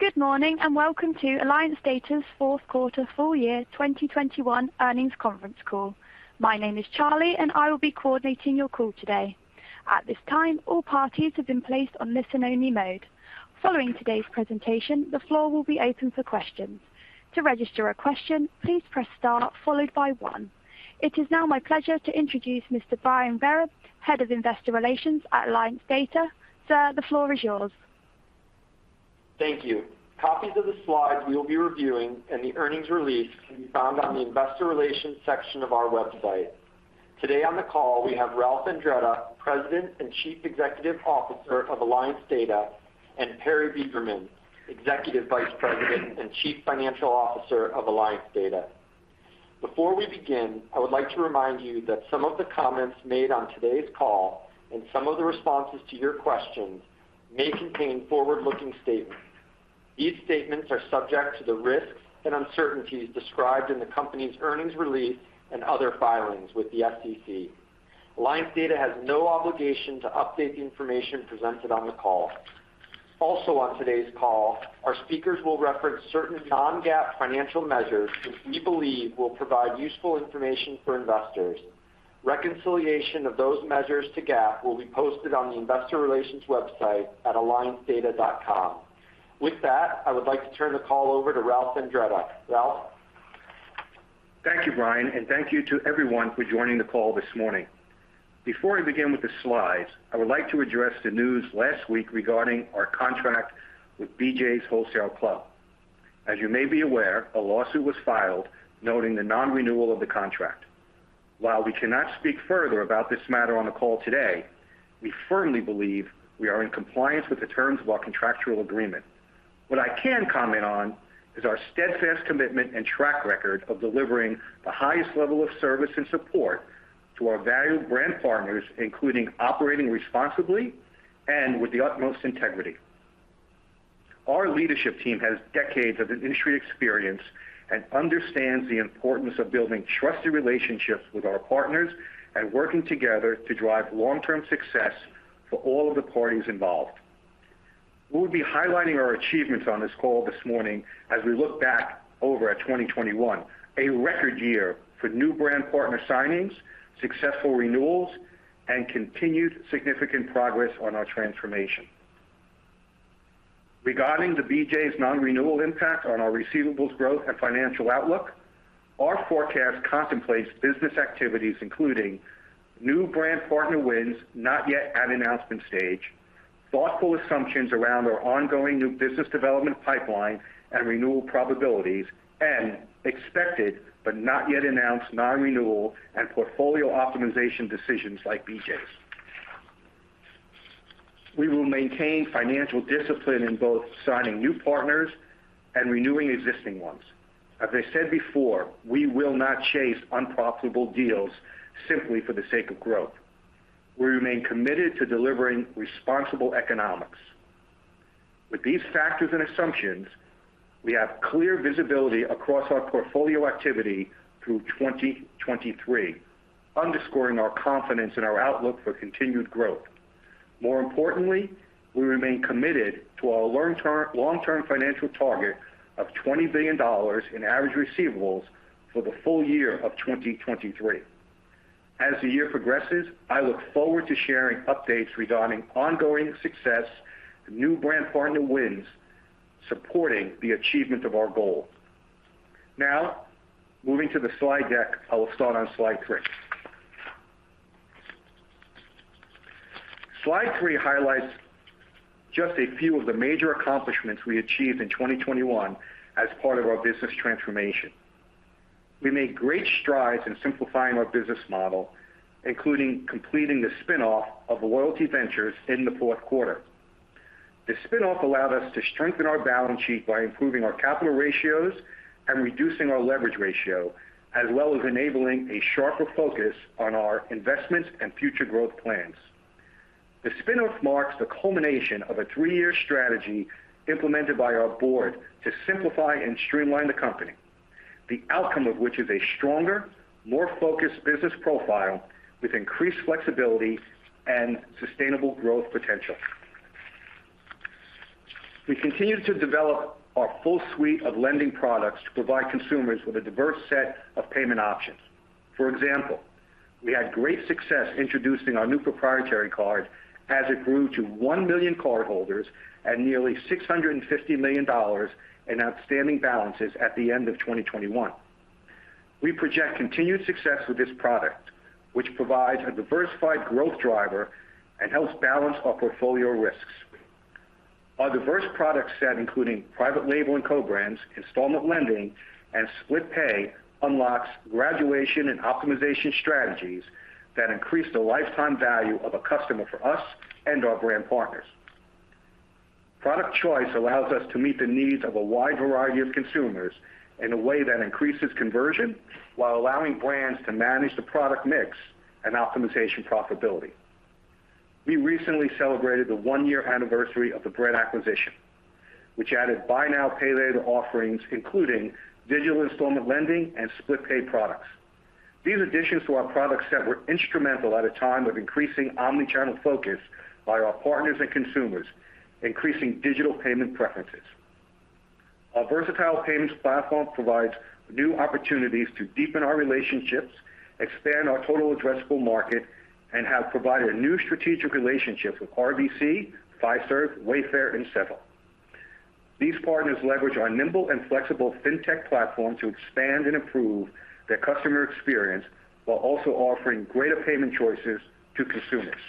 Good morning, and welcome to Alliance Data's fourth quarter full year 2021 earnings conference call. My name is Charlie, and I will be coordinating your call today. At this time, all parties have been placed on listen-only mode. Following today's presentation, the floor will be open for questions. To register a question, please press star followed by one. It is now my pleasure to introduce Mr. Brian Vereb, Head of Investor Relations at Alliance Data. Sir, the floor is yours. Thank you. Copies of the slides we will be reviewing and the earnings release can be found on the investor relations section of our website. Today on the call, we have Ralph Andretta, President and Chief Executive Officer of Alliance Data, and Perry Beberman, Executive Vice President and Chief Financial Officer of Alliance Data. Before we begin, I would like to remind you that some of the comments made on today's call and some of the responses to your questions may contain forward-looking statements. These statements are subject to the risks and uncertainties described in the company's earnings release and other filings with the SEC. Alliance Data has no obligation to update the information presented on the call. Also, on today's call, our speakers will reference certain non-GAAP financial measures, which we believe will provide useful information for investors. Reconciliation of those measures to GAAP will be posted on the investor relations website at alliancedata.com. With that, I would like to turn the call over to Ralph Andretta. Ralph? Thank you, Brian, and thank you to everyone for joining the call this morning. Before we begin with the slides, I would like to address the news last week regarding our contract with BJ's Wholesale Club. As you may be aware, a lawsuit was filed noting the non-renewal of the contract. While we cannot speak further about this matter on the call today, we firmly believe we are in compliance with the terms of our contractual agreement. What I can comment on is our steadfast commitment and track record of delivering the highest level of service and support to our valued brand partners, including operating responsibly and with the utmost integrity. Our leadership team has decades of industry experience and understands the importance of building trusted relationships with our partners and working together to drive long-term success for all of the parties involved. We will be highlighting our achievements on this call this morning as we look back over 2021, a record year for new brand partner signings, successful renewals, and continued significant progress on our transformation. Regarding the BJ's non-renewal impact on our receivables growth and financial outlook, our forecast contemplates business activities, including new brand partner wins, not yet at announcement stage, thoughtful assumptions around our ongoing new business development pipeline and renewal probabilities, and expected but not yet announced non-renewal and portfolio optimization decisions like BJ's. We will maintain financial discipline in both signing new partners and renewing existing ones. As I said before, we will not chase unprofitable deals simply for the sake of growth. We remain committed to delivering responsible economics. With these factors and assumptions, we have clear visibility across our portfolio activity through 2023, underscoring our confidence in our outlook for continued growth. More importantly, we remain committed to our long-term financial target of $20 billion in average receivables for the full year of 2023. As the year progresses, I look forward to sharing updates regarding ongoing success, new brand partner wins, supporting the achievement of our goal. Now, moving to the slide deck, I will start on slide 3. Slide 3 highlights just a few of the major accomplishments we achieved in 2021 as part of our business transformation. We made great strides in simplifying our business model, including completing the spin-off of Loyalty Ventures in the fourth quarter. The spin-off allowed us to strengthen our balance sheet by improving our capital ratios and reducing our leverage ratio, as well as enabling a sharper focus on our investments and future growth plans. The spin-off marks the culmination of a three-year strategy implemented by our board to simplify and streamline the company, the outcome of which is a stronger, more focused business profile with increased flexibility and sustainable growth potential. We continue to develop our full suite of lending products to provide consumers with a diverse set of payment options. For example, we had great success introducing our new proprietary card as it grew to 1 million cardholders and nearly $650 million in outstanding balances at the end of 2021. We project continued success with this product, which provides a diversified growth driver and helps balance our portfolio risks. Our diverse product set, including private label and co-brands, installment lending, and split pay, unlocks graduation and optimization strategies that increase the lifetime value of a customer for us and our brand partners. Product choice allows us to meet the needs of a wide variety of consumers in a way that increases conversion while allowing brands to manage the product mix and optimization profitability. We recently celebrated the one-year anniversary of the Bread acquisition, which added buy now, pay later offerings, including digital installment lending and split pay products. These additions to our product set were instrumental at a time of increasing omni-channel focus by our partners and consumers, increasing digital payment preferences. Our versatile payments platform provides new opportunities to deepen our relationships, expand our total addressable market, and have provided new strategic relationships with RBC, Fiserv, Wayfair, and Sezzle. These partners leverage our nimble and flexible fintech platform to expand and improve their customer experience while also offering greater payment choices to consumers.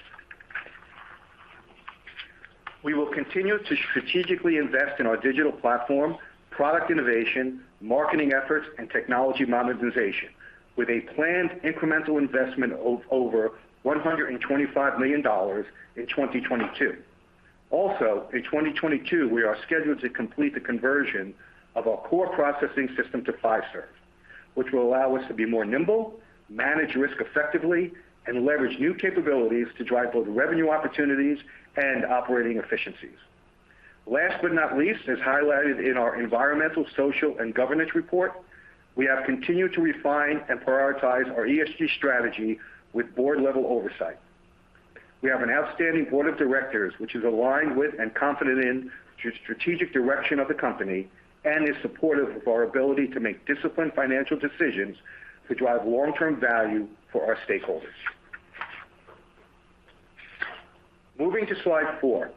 We will continue to strategically invest in our digital platform, product innovation, marketing efforts, and technology monetization with a planned incremental investment of over $125 million in 2022. Also in 2022, we are scheduled to complete the conversion of our core processing system to Fiserv, which will allow us to be more nimble, manage risk effectively, and leverage new capabilities to drive both revenue opportunities and operating efficiencies. Last but not least, as highlighted in our environmental, social, and governance report, we have continued to refine and prioritize our ESG strategy with board-level oversight. We have an outstanding board of directors, which is aligned with and confident in the strategic direction of the company and is supportive of our ability to make disciplined financial decisions to drive long-term value for our stakeholders. Moving to slide four,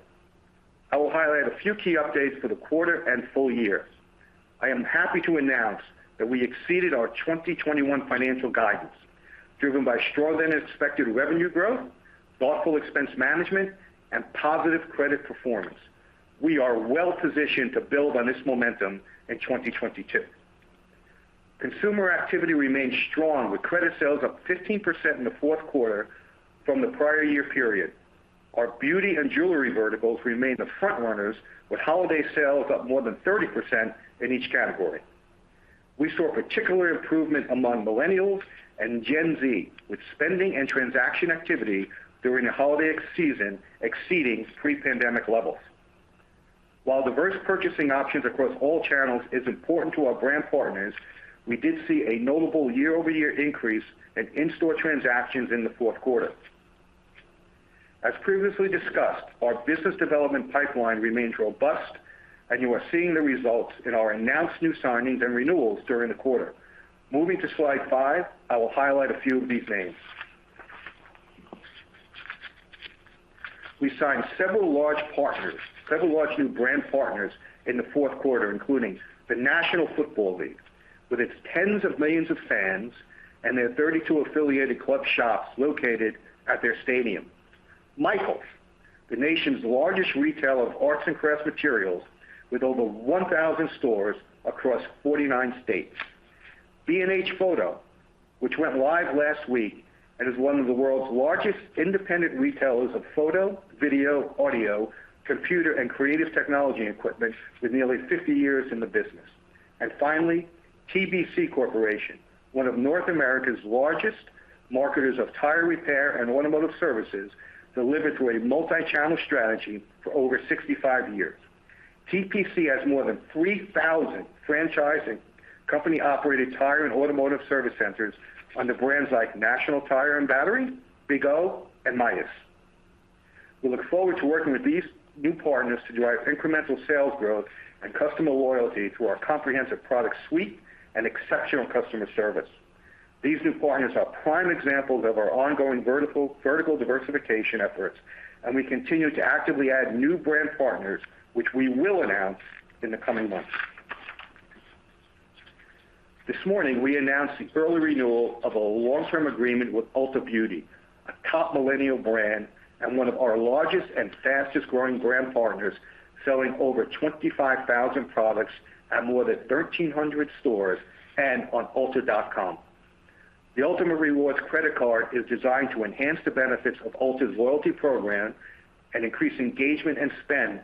I will highlight a few key updates for the quarter and full year. I am happy to announce that we exceeded our 2021 financial guidance, driven by stronger than expected revenue growth, thoughtful expense management, and positive credit performance. We are well positioned to build on this momentum in 2022. Consumer activity remained strong with credit sales up 15% in the fourth quarter from the prior-year period. Our beauty and jewelry verticals remain the front runners with holiday sales up more than 30% in each category. We saw particular improvement among Millennials and Gen Z, with spending and transaction activity during the holiday season exceeding pre-pandemic levels. While diverse purchasing options across all channels is important to our brand partners, we did see a notable year-over-year increase in in-store transactions in the fourth quarter. As previously discussed, our business development pipeline remains robust, and you are seeing the results in our announced new signings and renewals during the quarter. Moving to slide five, I will highlight a few of these names. We signed several large new brand partners in the fourth quarter, including the National Football League, with its tens of millions of fans and their 32 affiliated club shops located at their stadiums. Michaels, the nation's largest retailer of arts and crafts materials with over 1,000 stores across 49 states. B&H Photo, which went live last week and is one of the world's largest independent retailers of photo, video, audio, computer, and creative technology equipment with nearly 50 years in the business. Finally, TBC Corporation, one of North America's largest marketers of tire repair and automotive services delivered through a multi-channel strategy for over 65 years. TBC has more than 3,000 franchise and company-operated tire and automotive service centers under brands like National Tire & Battery, Big O Tires, and Midas. We look forward to working with these new partners to drive incremental sales growth and customer loyalty through our comprehensive product suite and exceptional customer service. These new partners are prime examples of our ongoing vertical diversification efforts, and we continue to actively add new brand partners, which we will announce in the coming months. This morning, we announced the early renewal of a long-term agreement with Ulta Beauty, a top Millennial brand and one of our largest and fastest-growing brand partners, selling over 25,000 products at more than 1,300 stores and on ulta.com. The Ultamate Rewards credit card is designed to enhance the benefits of Ulta's loyalty program and increase engagement and spend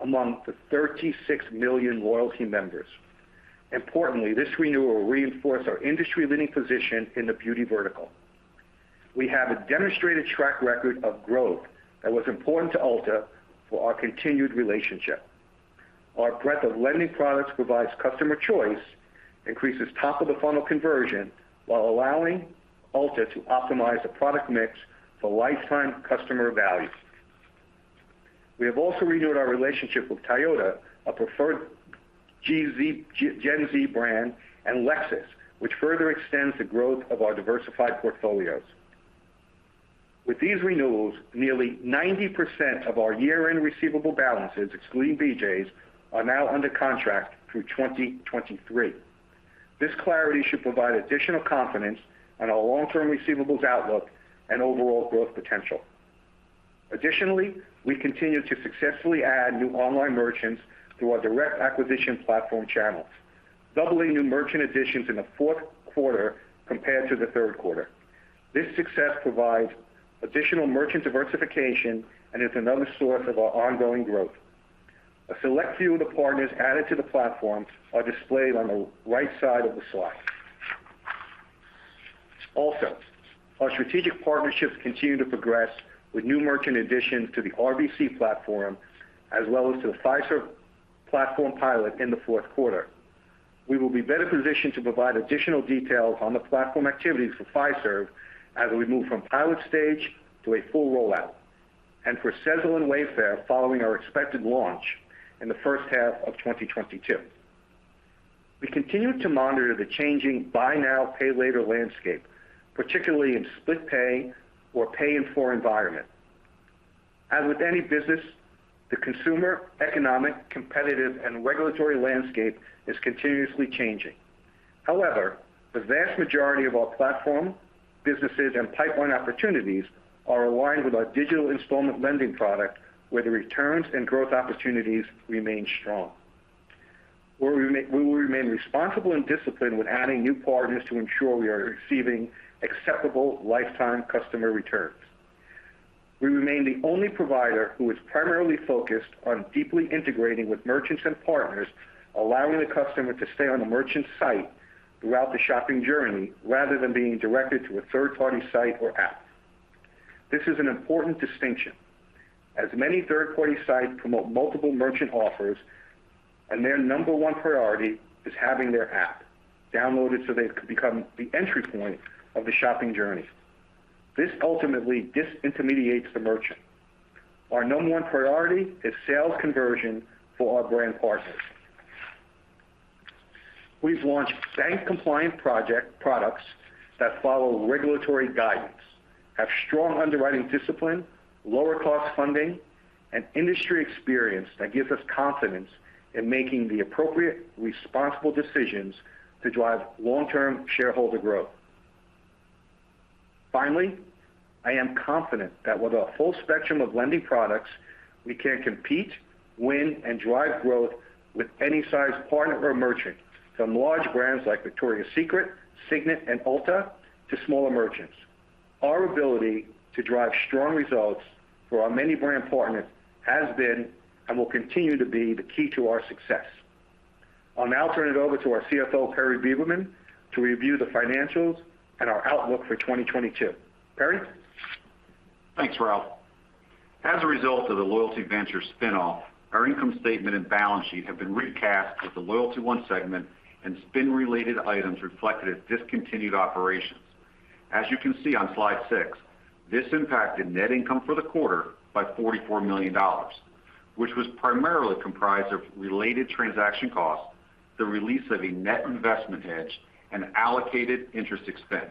among the 36 million loyalty members. Importantly, this renewal reinforced our industry-leading position in the beauty vertical. We have a demonstrated track record of growth that was important to Ulta for our continued relationship. Our breadth of lending products provides customer choice, increases top-of-the-funnel conversion while allowing Ulta to optimize the product mix for lifetime customer value. We have also renewed our relationship with Toyota, a preferred Gen Z brand, and Lexus, which further extends the growth of our diversified portfolios. With these renewals, nearly 90% of our year-end receivable balances, excluding BJ's, are now under contract through 2023. This clarity should provide additional confidence on our long-term receivables outlook and overall growth potential. Additionally, we continue to successfully add new online merchants through our direct acquisition platform channels, doubling new merchant additions in the fourth quarter compared to the third quarter. This success provides additional merchant diversification and is another source of our ongoing growth. A select few of the partners added to the platform are displayed on the right side of the slide. Also, our strategic partnerships continue to progress with new merchant additions to the RBC platform, as well as to the Fiserv platform pilot in the fourth quarter. We will be better positioned to provide additional details on the platform activities for Fiserv as we move from pilot stage to a full rollout. For Sezzle and Wayfair following our expected launch in the first half of 2022. We continue to monitor the changing buy now, pay later landscape, particularly in split pay or pay in four environment. As with any business, the consumer, economic, competitive, and regulatory landscape is continuously changing. However, the vast majority of our platform, businesses, and pipeline opportunities are aligned with our digital installment lending product where the returns and growth opportunities remain strong, where we will remain responsible and disciplined with adding new partners to ensure we are receiving acceptable lifetime customer returns. We remain the only provider who is primarily focused on deeply integrating with merchants and partners, allowing the customer to stay on the merchant site throughout the shopping journey rather than being directed to a third-party site or app. This is an important distinction, as many third-party sites promote multiple merchant offers and their number one priority is having their app downloaded so they could become the entry point of the shopping journey. This ultimately disintermediates the merchant. Our number one priority is sales conversion for our brand partners. We've launched bank compliant products that follow regulatory guidance, have strong underwriting discipline, lower cost funding, and industry experience that gives us confidence in making the appropriate responsible decisions to drive long-term shareholder growth. Finally, I am confident that with a full spectrum of lending products, we can compete, win, and drive growth with any size partner or merchant, from large brands like Victoria's Secret, Signet, and Ulta, to smaller merchants. Our ability to drive strong results for our many brand partners has been, and will continue to be the key to our success. I'll now turn it over to our CFO, Perry Beberman, to review the financials and our outlook for 2022. Perry? Thanks, Ralph. As a result of the Loyalty Ventures spin-off, our income statement and balance sheet have been recast with the LoyaltyOne segment and spin-related items reflected as discontinued operations. As you can see on slide six, this impacted net income for the quarter by $44 million, which was primarily comprised of related transaction costs, the release of a net investment hedge, and allocated interest expense.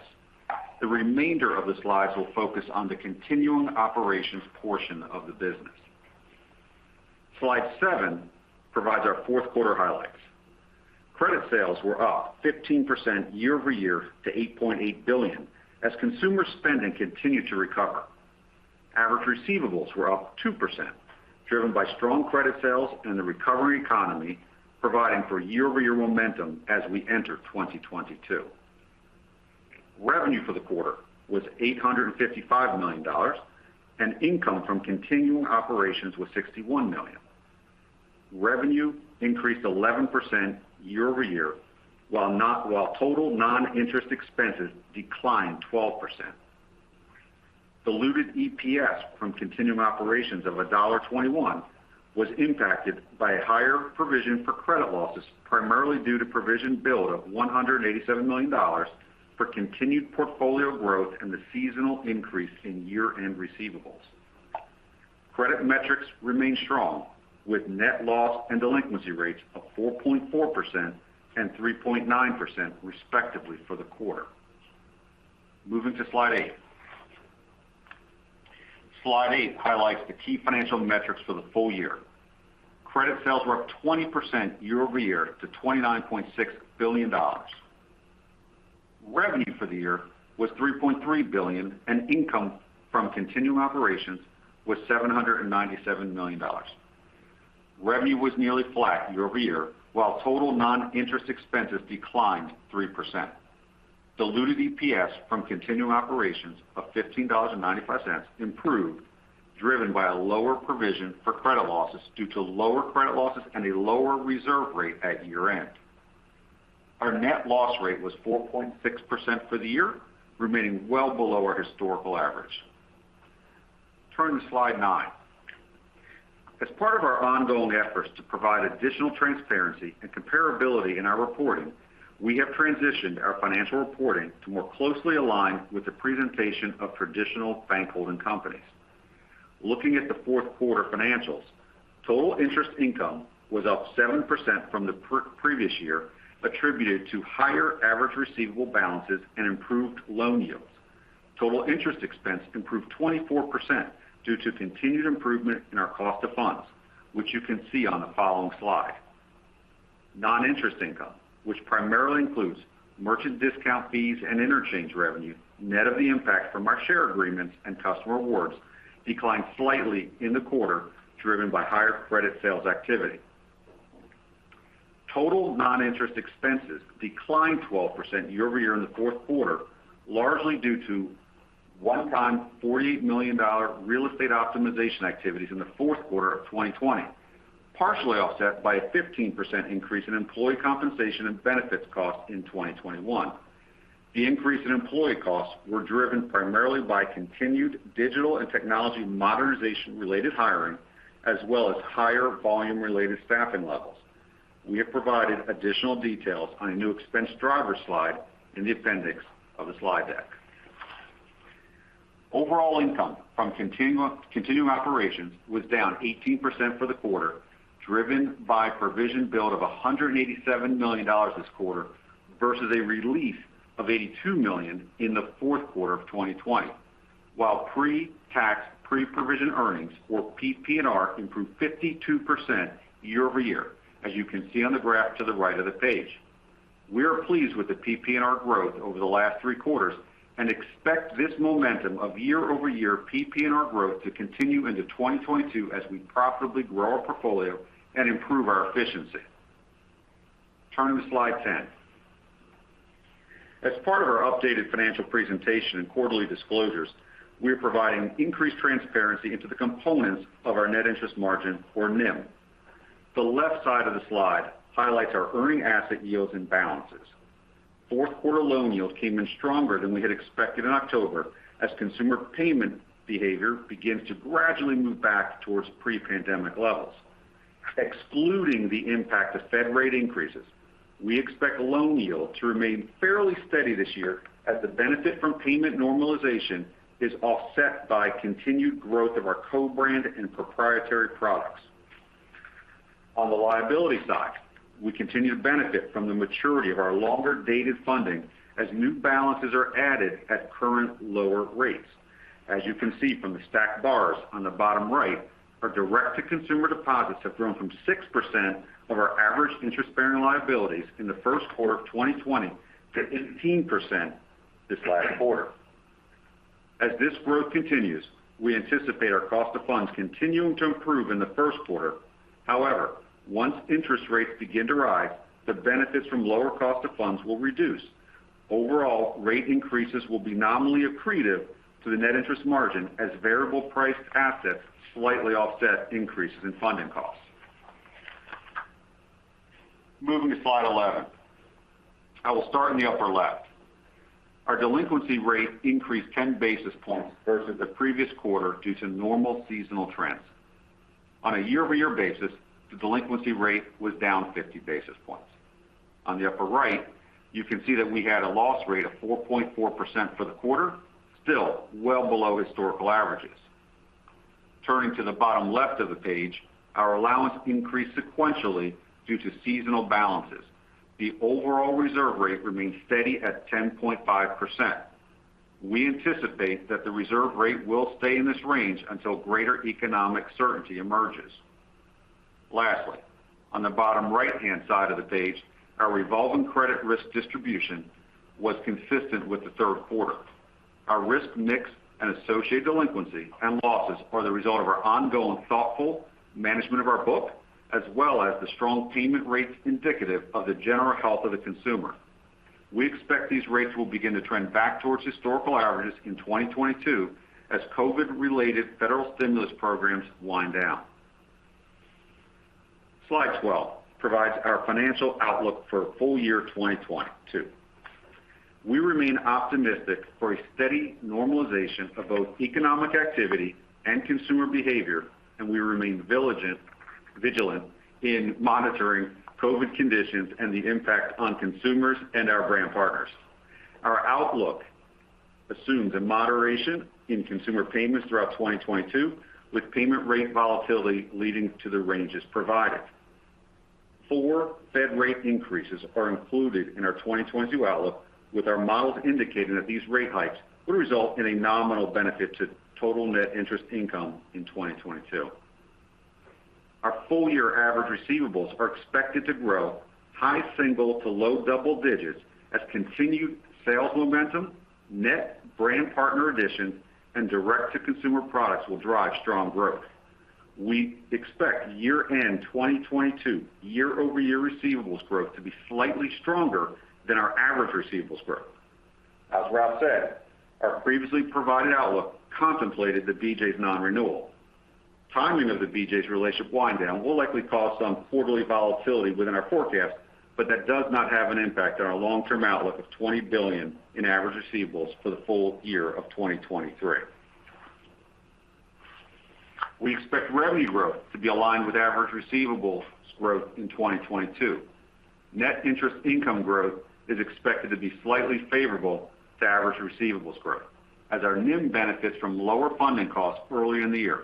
The remainder of the slides will focus on the continuing operations portion of the business. Slide seven provides our fourth quarter highlights. Credit sales were up 15% year-over-year to $8.8 billion as consumer spending continued to recover. Average receivables were up 2%, driven by strong credit sales and the recovery economy, providing for year-over-year momentum as we enter 2022. Revenue for the quarter was $855 million, and income from continuing operations was $61 million. Revenue increased 11% year-over-year, while total non-interest expenses declined 12%. Diluted EPS from continuing operations of $1.21 was impacted by a higher provision for credit losses, primarily due to provision build of $187 million for continued portfolio growth and the seasonal increase in year-end receivables. Credit metrics remain strong, with net loss and delinquency rates of 4.4% and 3.9%, respectively, for the quarter. Moving to slide eight. Slide eight highlights the key financial metrics for the full year. Credit sales were up 20% year-over-year to $29.6 billion. Revenue for the year was $3.3 billion, and income from continuing operations was $797 million. Revenue was nearly flat year-over-year, while total non-interest expenses declined 3%. Diluted EPS from continuing operations of $15.95 improved, driven by a lower provision for credit losses due to lower credit losses and a lower reserve rate at year-end. Our net loss rate was 4.6% for the year, remaining well below our historical average. Turning to slide nine. As part of our ongoing efforts to provide additional transparency and comparability in our reporting, we have transitioned our financial reporting to more closely align with the presentation of traditional bank holding companies. Looking at the fourth quarter financials, total interest income was up 7% from the previous year, attributed to higher average receivable balances and improved loan yields. Total interest expense improved 24% due to continued improvement in our cost of funds, which you can see on the following slide. Non-interest income, which primarily includes merchant discount fees and interchange revenue, net of the impact from our share agreements and customer rewards, declined slightly in the quarter, driven by higher credit sales activity. Total non-interest expenses declined 12% year-over-year in the fourth quarter, largely due to one-time $48 million real estate optimization activities in the fourth quarter of 2020, partially offset by a 15% increase in employee compensation and benefits costs in 2021. The increase in employee costs were driven primarily by continued digital and technology modernization-related hiring, as well as higher volume-related staffing levels. We have provided additional details on a new expense driver slide in the appendix of the slide deck. Overall income from continuing operations was down 18% for the quarter, driven by provision build of $187 million this quarter versus a relief of $82 million in the fourth quarter of 2020. While pre-tax, pre-provision earnings, or PPNR, improved 52% year-over-year, as you can see on the graph to the right of the page. We are pleased with the PPNR growth over the last three quarters and expect this momentum of year-over-year PPNR growth to continue into 2022 as we profitably grow our portfolio and improve our efficiency. Turning to slide 10. As part of our updated financial presentation and quarterly disclosures, we are providing increased transparency into the components of our net interest margin, or NIM. The left side of the slide highlights our earning asset yields and balances. Fourth quarter loan yields came in stronger than we had expected in October as consumer payment behavior begins to gradually move back towards pre-pandemic levels. Excluding the impact of Fed rate increases, we expect loan yield to remain fairly steady this year as the benefit from payment normalization is offset by continued growth of our co-brand and proprietary products. On the liability side, we continue to benefit from the maturity of our longer-dated funding as new balances are added at current lower rates. As you can see from the stacked bars on the bottom right, our direct-to-consumer deposits have grown from 6% of our average interest-bearing liabilities in the first quarter of 2020 to 18% this last quarter. As this growth continues, we anticipate our cost of funds continuing to improve in the first quarter. However, once interest rates begin to rise, the benefits from lower cost of funds will reduce. Overall, rate increases will be nominally accretive to the net interest margin as variable priced assets slightly offset increases in funding costs. Moving to slide 11. I will start in the upper left. Our delinquency rate increased 10 basis points versus the previous quarter due to normal seasonal trends. On a year-over-year basis, the delinquency rate was down 50 basis points. On the upper right, you can see that we had a loss rate of 4.4% for the quarter, still well below historical averages. Turning to the bottom left of the page, our allowance increased sequentially due to seasonal balances. The overall reserve rate remains steady at 10.5%. We anticipate that the reserve rate will stay in this range until greater economic certainty emerges. Lastly, on the bottom right-hand side of the page, our revolving credit risk distribution was consistent with the third quarter. Our risk mix and associated delinquency and losses are the result of our ongoing thoughtful management of our book, as well as the strong payment rates indicative of the general health of the consumer. We expect these rates will begin to trend back towards historical averages in 2022 as COVID-related federal stimulus programs wind down. Slide 12 provides our financial outlook for full year 2022. We remain optimistic for a steady normalization of both economic activity and consumer behavior, and we remain vigilant in monitoring COVID conditions and the impact on consumers and our brand partners. Our outlook assumes a moderation in consumer payments throughout 2022, with payment rate volatility leading to the ranges provided. Four Fed rate increases are included in our 2022 outlook, with our models indicating that these rate hikes will result in a nominal benefit to total net interest income in 2022. Our full-year average receivables are expected to grow high single- to low double-digit as continued sales momentum, net brand partner additions, and direct-to-consumer products will drive strong growth. We expect year-end 2022 year-over-year receivables growth to be slightly stronger than our average receivables growth. As Ralph said, our previously provided outlook contemplated the BJ's non-renewal. Timing of the BJ's relationship wind down will likely cause some quarterly volatility within our forecast, but that does not have an impact on our long-term outlook of $20 billion in average receivables for the full year of 2023. We expect revenue growth to be aligned with average receivables growth in 2022. Net interest income growth is expected to be slightly favorable to average receivables growth as our NIM benefits from lower funding costs early in the year.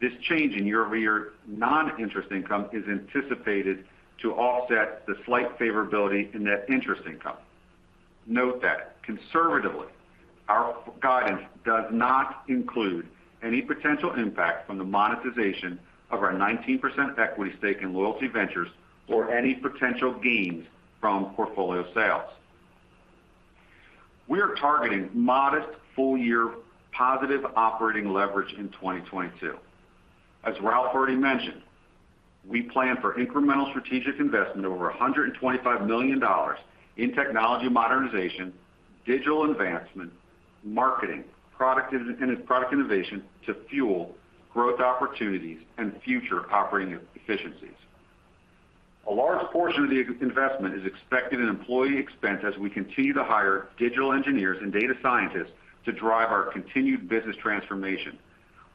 This change in year-over-year non-interest income is anticipated to offset the slight favorability in net interest income. Note that conservatively, our guidance does not include any potential impact from the monetization of our 19% equity stake in Loyalty Ventures or any potential gains from portfolio sales. We are targeting modest full-year positive operating leverage in 2022. As Ralph already mentioned, we plan for incremental strategic investment over $125 million in technology modernization, digital advancement, marketing, and product innovation to fuel growth opportunities and future operating efficiencies. A large portion of the investment is expected in employee expense as we continue to hire digital engineers and data scientists to drive our continued business transformation.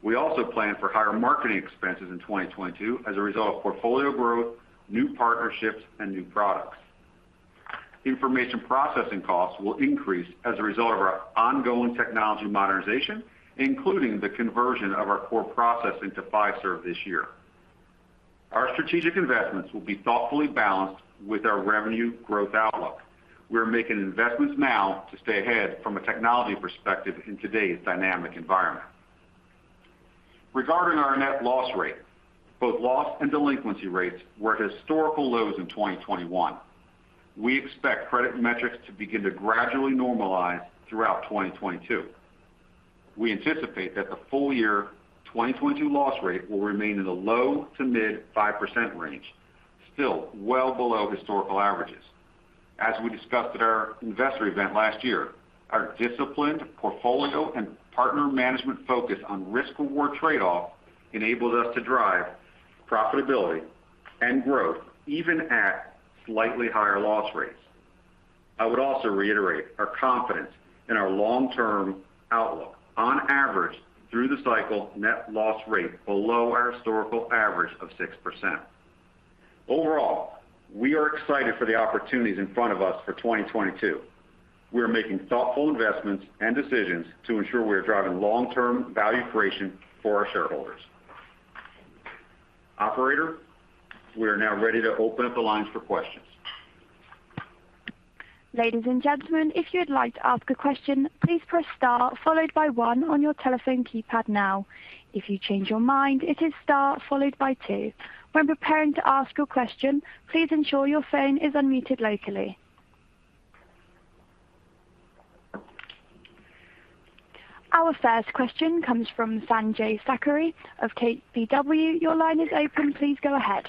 We also plan for higher marketing expenses in 2022 as a result of portfolio growth, new partnerships, and new products. Information processing costs will increase as a result of our ongoing technology modernization, including the conversion of our core processing to Fiserv this year. Our strategic investments will be thoughtfully balanced with our revenue growth outlook. We're making investments now to stay ahead from a technology perspective in today's dynamic environment. Regarding our net loss rate, both loss and delinquency rates were at historical lows in 2021. We expect credit metrics to begin to gradually normalize throughout 2022. We anticipate that the full year 2022 loss rate will remain in the low- to mid-5% range, still well below historical averages. As we discussed at our investor event last year, our disciplined portfolio and partner management focus on risk reward trade-off enables us to drive profitability and growth even at slightly higher loss rates. I would also reiterate our confidence in our long-term outlook. On average, through the cycle, net loss rate below our historical average of 6%. Overall, we are excited for the opportunities in front of us for 2022. We are making thoughtful investments and decisions to ensure we are driving long-term value creation for our shareholders. Operator, we are now ready to open up the lines for questions. Ladies and gentlemen, if you'd like to ask a question, please press star followed by one on your telephone keypad now. If you change your mind, it is star followed by two. When preparing to ask your question, please ensure your phone is unmuted locally. Our first question comes from Sanjay Sakhrani of KBW. Your line is open. Please go ahead.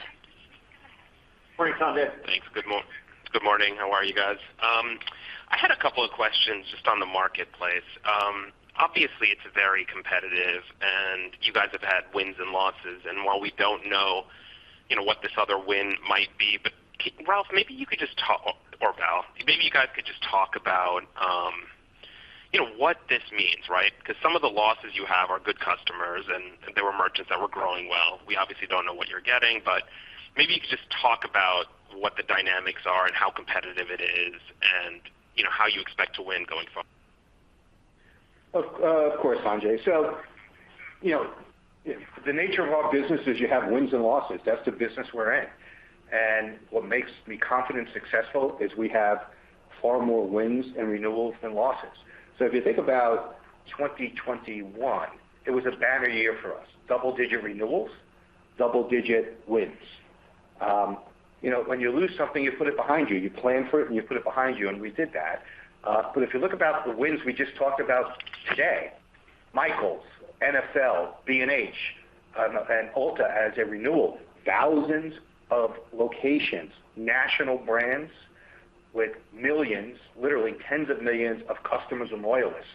Morning, Sanjay. Thanks. Good morning. How are you guys? I had a couple of questions just on the marketplace. Obviously, it's very competitive, and you guys have had wins and losses. While we don't know, you know, what this other win might be, but Ralph, maybe you could just talk or Val, maybe you guys could just talk about, you know, what this means, right? Because some of the losses you have are good customers, and they were merchants that were growing well. We obviously don't know what you're getting, but maybe you could just talk about what the dynamics are and how competitive it is and, you know, how you expect to win going forward. Of course, Sanjay. You know, the nature of our business is you have wins and losses. That's the business we're in. What makes me confident and successful is we have far more wins and renewals than losses. If you think about 2021, it was a banner year for us. Double-digit renewals, double-digit wins. You know, when you lose something, you put it behind you. You plan for it, and you put it behind you, and we did that. But if you look at the wins we just talked about today, Michaels, NFL, B&H, and Ulta as a renewal, thousands of locations, national brands with millions, literally tens of millions of customers and loyalists.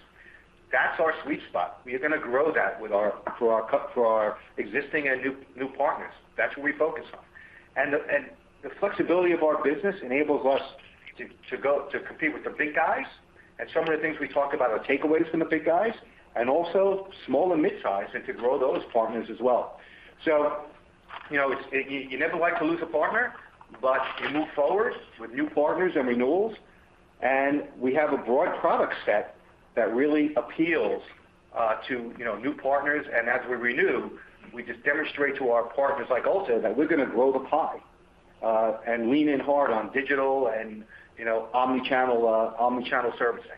That's our sweet spot. We are going to grow that with our existing and new partners. That's what we focus on. The flexibility of our business enables us to compete with the big guys. Some of the things we talk about are takeaways from the big guys and also small- and mid-size, and to grow those partners as well. You know, you never like to lose a partner, but you move forward with new partners and renewals. We have a broad product set that really appeals to, you know, new partners. As we renew, we just demonstrate to our partners, like Ulta, that we're going to grow the pie and lean in hard on digital and, you know, omni-channel servicing.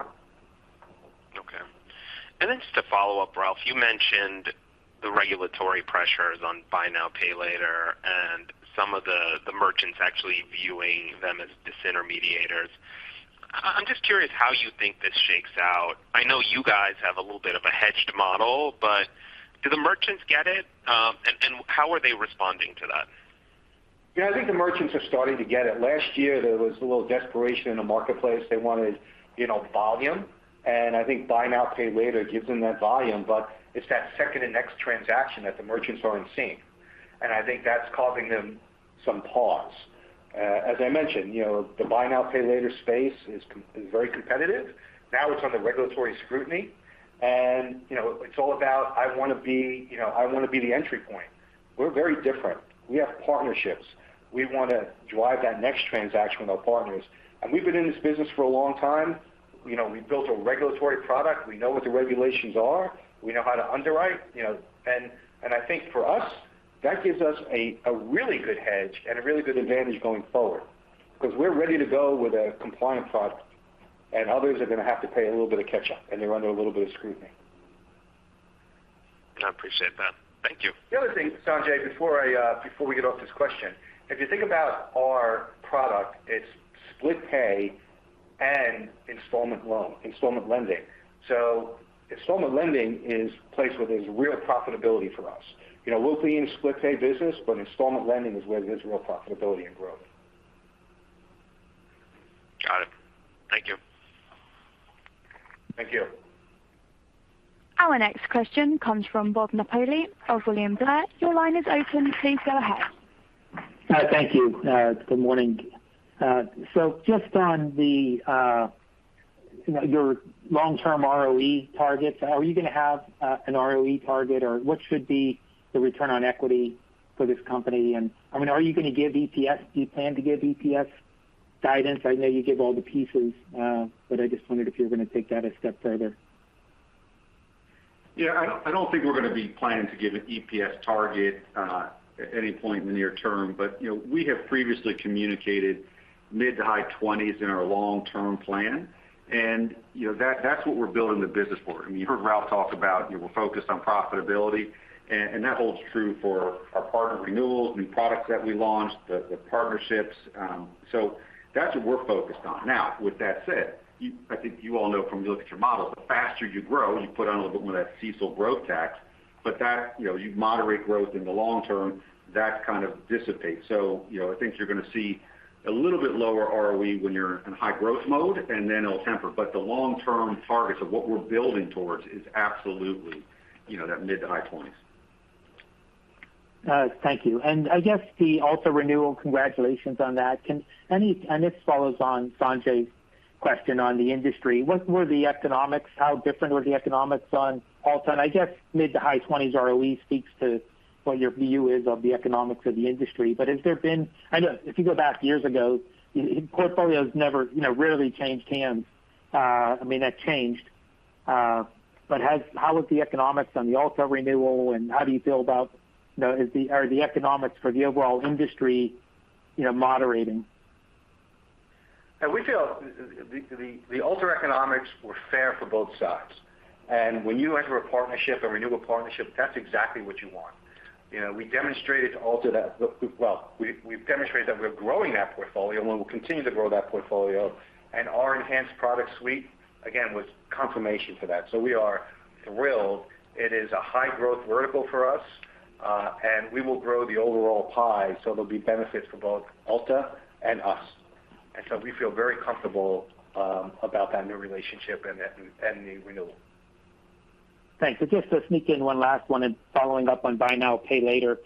Okay. Just a follow-up, Ralph. You mentioned the regulatory pressures on buy now, pay later, and some of the merchants actually viewing them as disintermediators. I'm just curious how you think this shakes out. I know you guys have a little bit of a hedged model, but do the merchants get it? And how are they responding to that? Yeah, I think the merchants are starting to get it. Last year, there was a little desperation in the marketplace. They wanted, you know, volume. And I think buy now, pay later gives them that volume. But it's that second and next transaction that the merchants aren't seeing. And I think that's causing them some pause. As I mentioned, you know, the buy now, pay later space is very competitive. Now it's under regulatory scrutiny. And, you know, it's all about, I want to be, you know, I want to be the entry point. We're very different. We have partnerships. We want to drive that next transaction with our partners. And we've been in this business for a long time. You know, we built a regulatory product. We know what the regulations are. We know how to underwrite, you know, and I think for us, that gives us a really good hedge and a really good advantage going forward because we're ready to go with a compliant product, and others are going to have to play a little bit of catch up, and they're under a little bit of scrutiny. I appreciate that. Thank you. The other thing, Sanjay, before we get off this question, if you think about our product, it's split pay and installment lending. Installment lending is the place where there's real profitability for us. You know, we'll be in split pay business, but installment lending is where there's real profitability and growth. Got it. Thank you. Thank you. Our next question comes from Bob Napoli of William Blair. Your line is open. Please go ahead. Thank you. Good morning. Just on your long-term ROE targets, are you going to have an ROE target? Or what should be the return on equity for this company? I mean, are you going to give EPS? Do you plan to give EPS guidance? I know you give all the pieces, but I just wondered if you're going to take that a step further. Yeah. I don't think we're going to be planning to give an EPS target at any point in the near term. You know, we have previously communicated mid-to-high 20s in our long-term plan. You know, that's what we're building the business for. I mean, you heard Ralph talk about, you know, we're focused on profitability. That holds true for our partner renewals, new products that we launched, the partnerships. That's what we're focused on. Now, with that said, I think you all know from, if you look at your model, the faster you grow, you put on a little bit more of that CECL growth tax. That, you know, you moderate growth in the long term, that kind of dissipates. You know, I think you're going to see a little bit lower ROE when you're in high-growth mode, and then it'll temper. The long-term targets of what we're building towards is absolutely, you know, that mid-to-high 20s. Thank you. I guess the Ulta renewal, congratulations on that. This follows on Sanjay's question on the industry. What were the economics? How different were the economics on Ulta? I guess mid-to-high 20s ROE speaks to what your view is of the economics of the industry. I know if you go back years ago, portfolios never, you know, rarely changed hands. I mean, that changed. How was the economics on the Ulta renewal, and how do you feel about, you know, are the economics for the overall industry, you know, moderating? Yeah. We feel the Ulta economics were fair for both sides. When you enter a partnership, a renewable partnership, that's exactly what you want. You know, we've demonstrated to Ulta that, well, we've demonstrated that we're growing that portfolio, and we'll continue to grow that portfolio. Our enhanced product suite, again, was confirmation for that. We are thrilled. It is a high-growth vertical for us, and we will grow the overall pie. There'll be benefits for both Ulta and us. We feel very comfortable about that new relationship and the renewal. Thanks. Just to sneak in one last one and following up on buy now, pay later.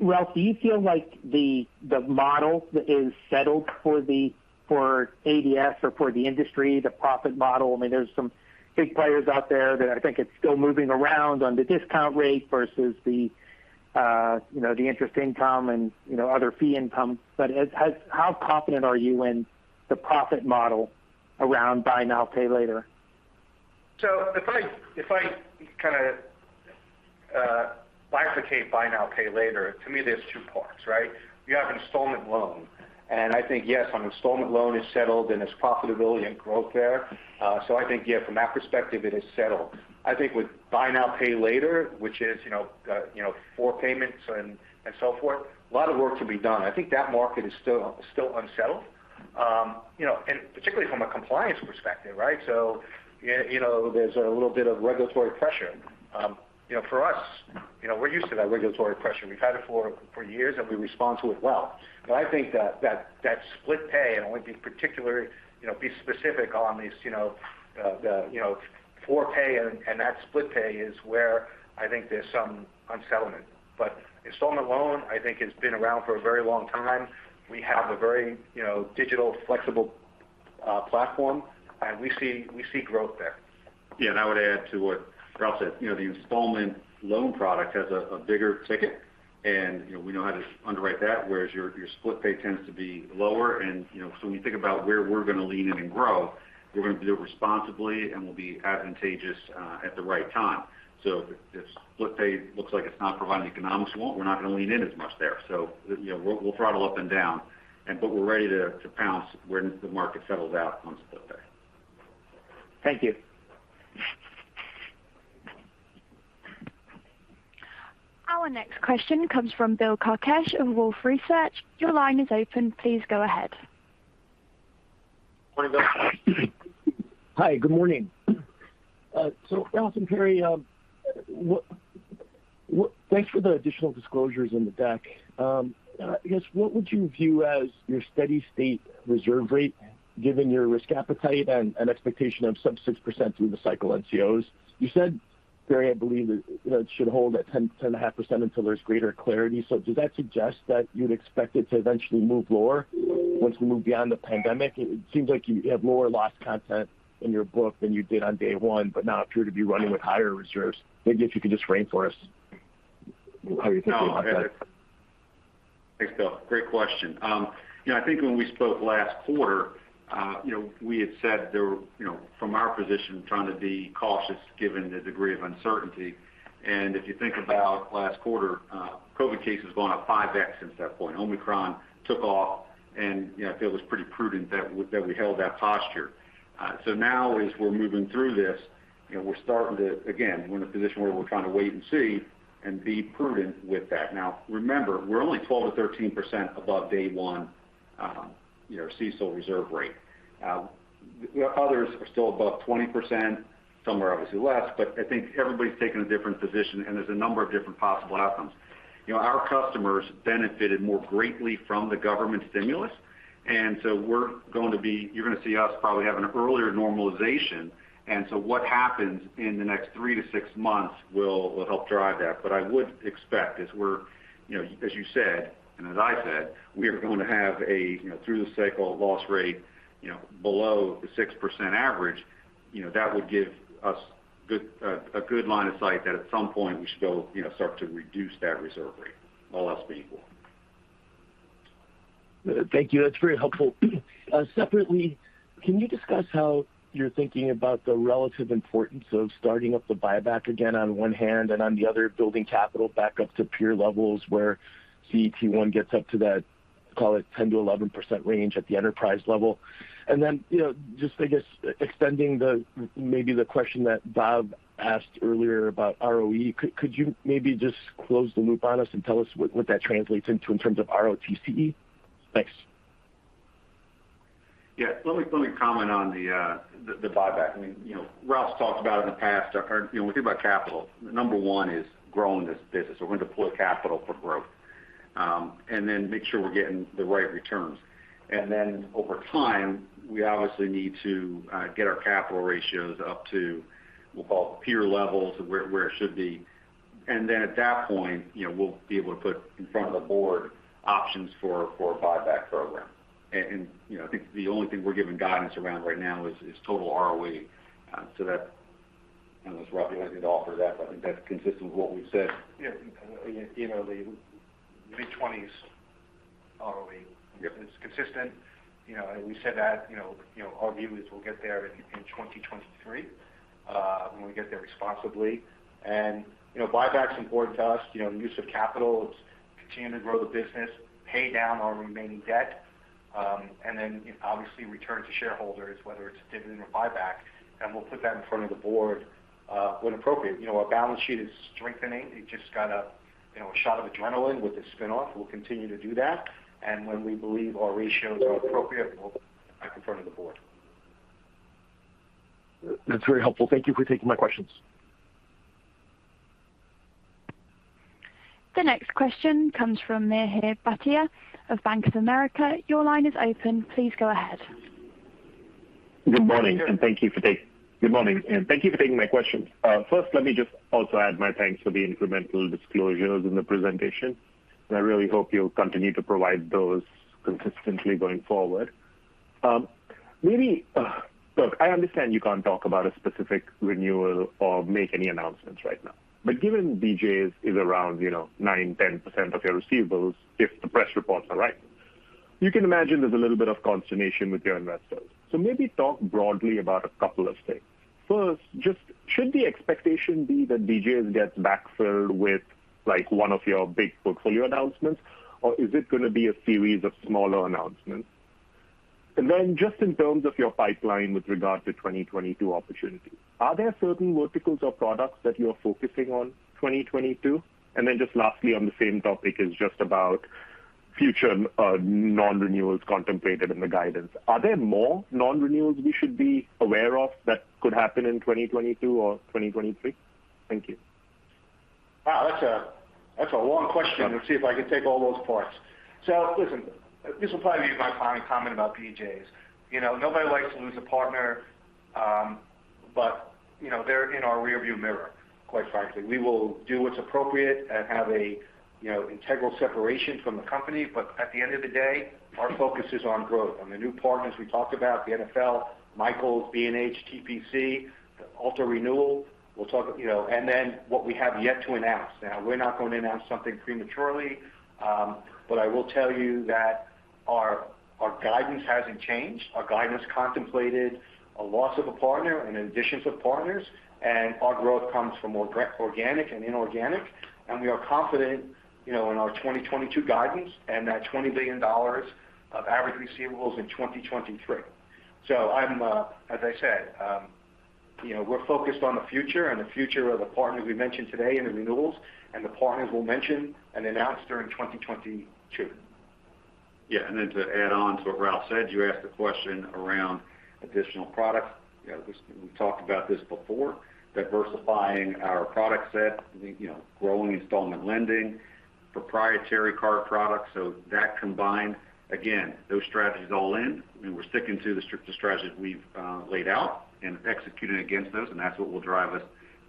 Ralph, do you feel like the model is settled for the—for ADS or for the industry, the profit model? I mean, there's some big players out there that I think it's still moving around on the discount rate versus the, you know, the interest income and, you know, other fee income. But has—how confident are you in the profit model around buy now, pay later? If I kind of bifurcate buy now, pay later, to me, there's two parts, right? You have installment loan. I think, yes, on installment loan is settled, and there's profitability and growth there. I think yeah, from that perspective, it is settled. I think with buy now, pay later, which is, you know, you know, four payments and so forth, a lot of work to be done. I think that market is still unsettled. You know, and particularly from a compliance perspective, right? You know, there's a little bit of regulatory pressure. You know, for us, you know, we're used to that regulatory pressure. We've had it for years, and we respond to it well. I think that split pay, and I want to be particular, you know, be specific on these, you know, the four pay and that split pay is where I think there's some unsettlement. Installment loan, I think has been around for a very long time. We have a very, you know, digital flexible platform, and we see growth there. Yeah. I would add to what Ralph said. You know, the installment loan product has a bigger ticket, and, you know, we know how to underwrite that, whereas your split pay tends to be lower. You know, when you think about where we're going to lean in and grow, we're going to do it responsibly, and we'll be aggressive at the right time. If split pay looks like it's not providing the economics we want, we're not going to lean in as much there. You know, we'll throttle up and down. But we're ready to pounce when the market settles out on split pay. Thank you. Our next question comes from Bill Carcache of Wolfe Research. Your line is open. Please go ahead. Morning, Bill. Hi. Good morning. Ralph and Perry, thanks for the additional disclosures in the deck. I guess what would you view as your steady-state reserve rate given your risk appetite and expectation of sub 6% through the cycle NCOs? You said, Perry, I believe that, you know, it should hold at 10%-10.5% until there's greater clarity. Does that suggest that you'd expect it to eventually move lower once we move beyond the pandemic? It seems like you have lower loss content in your book than you did on day one, but you now appear to be running with higher reserves. Maybe if you could just frame for us how you're thinking about that. No. Thanks, Bill. Great question. I think when we spoke last quarter, we had said there were, from our position, trying to be cautious given the degree of uncertainty. If you think about last quarter, COVID cases have gone up 5x since that point. Omicron took off, and I feel it was pretty prudent that we held that posture. Now as we're moving through this, we're in a position where we're trying to wait and see and be prudent with that. Now, remember, we're only 12%-13% above day one CECL reserve rate. The others are still above 20%, some are obviously less, but I think everybody's taking a different position, and there's a number of different possible outcomes. You know, our customers benefited more greatly from the government stimulus, and so we're going to be—you're going to see us probably have an earlier normalization. What happens in the next three to six months will help drive that. I would expect as we're, you know, as you said, and as I said, we are going to have a, you know, through the cycle loss rate, you know, below the 6% average, you know, that would give us a good line of sight that at some point we should go, you know, start to reduce that reserve rate, all else being equal. Thank you. That's very helpful. Separately, can you discuss how you're thinking about the relative importance of starting up the buyback again on one hand and on the other, building capital back up to peer levels where CET1 gets up to that, call it 10%-11% range at the enterprise level? Then, you know, just I guess extending the, maybe the question that Bob asked earlier about ROE, could you maybe just close the loop on us and tell us what that translates into in terms of ROTCE? Thanks. Yeah. Let me comment on the buyback. I mean, you know, Ralph talked about in the past or, you know, we think about capital. Number one is growing this business. We're going to deploy capital for growth, and then make sure we're getting the right returns. Then over time, we obviously need to get our capital ratios up to, we'll call it peer levels of where it should be. Then at that point, you know, we'll be able to put in front of the board options for a buyback program. You know, I think the only thing we're giving guidance around right now is total ROE. That, you know, as Ralph, you want me to offer that, but I think that's consistent with what we've said. Yeah. You know, the mid-20s ROE. Yep. It's consistent. You know, we said that, you know, our view is we'll get there in 2023 when we get there responsibly. You know, buyback's important to us. You know, the use of capital is to continue to grow the business, pay down our remaining debt, and then obviously return to shareholders, whether it's dividend or buyback, and we'll put that in front of the Board when appropriate. You know, our balance sheet is strengthening. It just got, you know, a shot of adrenaline with the spin-off. We'll continue to do that. When we believe our ratios are appropriate, we'll put that in front of the Board. That's very helpful. Thank you for taking my questions. The next question comes from Mihir Bhatia of Bank of America. Your line is open. Please go ahead. Good morning, and thank you for taking my questions. First, let me just also add my thanks for the incremental disclosures in the presentation. I really hope you'll continue to provide those consistently going forward. Maybe, look, I understand you can't talk about a specific renewal or make any announcements right now. Given BJ's is around, you know, 9%-10% of your receivables, if the press reports are right, you can imagine there's a little bit of consternation with your investors. Maybe talk broadly about a couple of things. First, just should the expectation be that BJ's gets backfilled with like one of your big portfolio announcements, or is it going to be a series of smaller announcements? Just in terms of your pipeline with regard to 2022 opportunities, are there certain verticals or products that you're focusing on 2022? Just lastly on the same topic is just about future non-renewals contemplated in the guidance. Are there more non-renewals we should be aware of that could happen in 2022 or 2023? Thank you. Wow, that's a long question. Let's see if I can take all those parts. Listen, this will probably be my final comment about BJ's. You know, nobody likes to lose a partner, but you know, they're in our rearview mirror, quite frankly. We will do what's appropriate and have a, you know, integral separation from the company. At the end of the day, our focus is on growth. On the new partners we talked about, the NFL, Michaels, B&H, TBC, Ulta renewal. We'll talk—you know, and then what we have yet to announce. Now, we're not going to announce something prematurely, but I will tell you that our guidance hasn't changed. Our guidance contemplated a loss of a partner and additions of partners, and our growth comes from organic and inorganic. We are confident, you know, in our 2022 guidance and that $20 billion of average receivables in 2023. I'm, as I said, you know, we're focused on the future and the future of the partners we mentioned today and the renewals and the partners we'll mention and announce during 2022. Yeah. Then to add on to what Ralph said, you asked a question around additional products. You know, we talked about this before, diversifying our product set, you know, growing installment lending, proprietary card products. That combined, again, those strategies all in, and we're sticking to the strategies we've laid out and executing against those, and that's what will drive us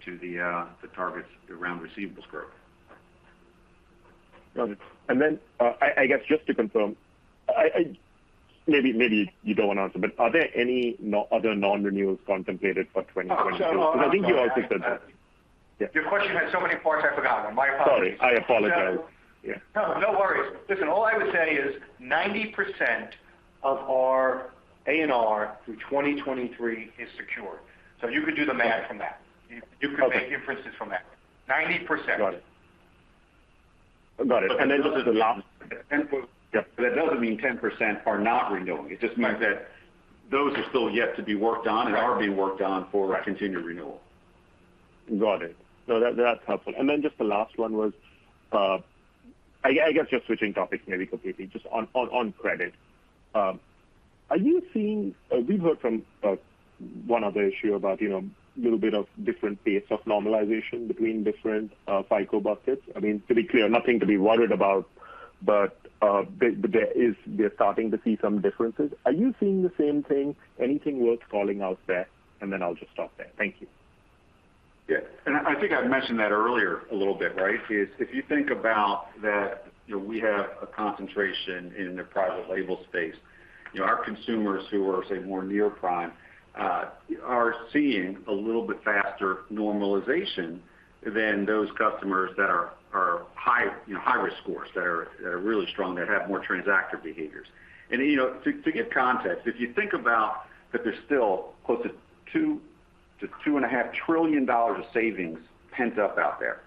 to the targets around receivables growth. Got it. I guess just to confirm, maybe you don't want to answer, but are there any other non-renewals contemplated for 2022? Because I think you also said that. Your question had so many parts, I forgot one. My apologies. Sorry. I apologize. Yeah. No, no worries. Listen, all I would say is 90% of our A&R through 2023 is secure. You can do the math from that. Okay. You can make inferences from that, 90%. Got it. Just as a last— And for— Yeah. That doesn't mean 10% are not renewing. It just means that those are still yet to be worked on and are being worked on for continued renewal. Got it. No, that's helpful. Just the last one was, I guess just switching topics maybe completely just on credit. Are you seeing—we've heard from one other issuer about, you know, little bit of different pace of normalization between different FICO buckets. I mean, to be clear, nothing to be worried about, but there is—we are starting to see some differences. Are you seeing the same thing? Anything worth calling out there? I'll just stop there. Thank you. Yeah. I think I mentioned that earlier a little bit, right? If you think about that, you know, we have a concentration in the private label space. You know, our consumers who are, say, more near-prime are seeing a little bit faster normalization than those customers that are high, you know, high risk scores that are really strong, that have more transactive behaviors. You know, to give context, if you think about that there's still close to $2 trillion-$2.5 trillion of savings pent up out there.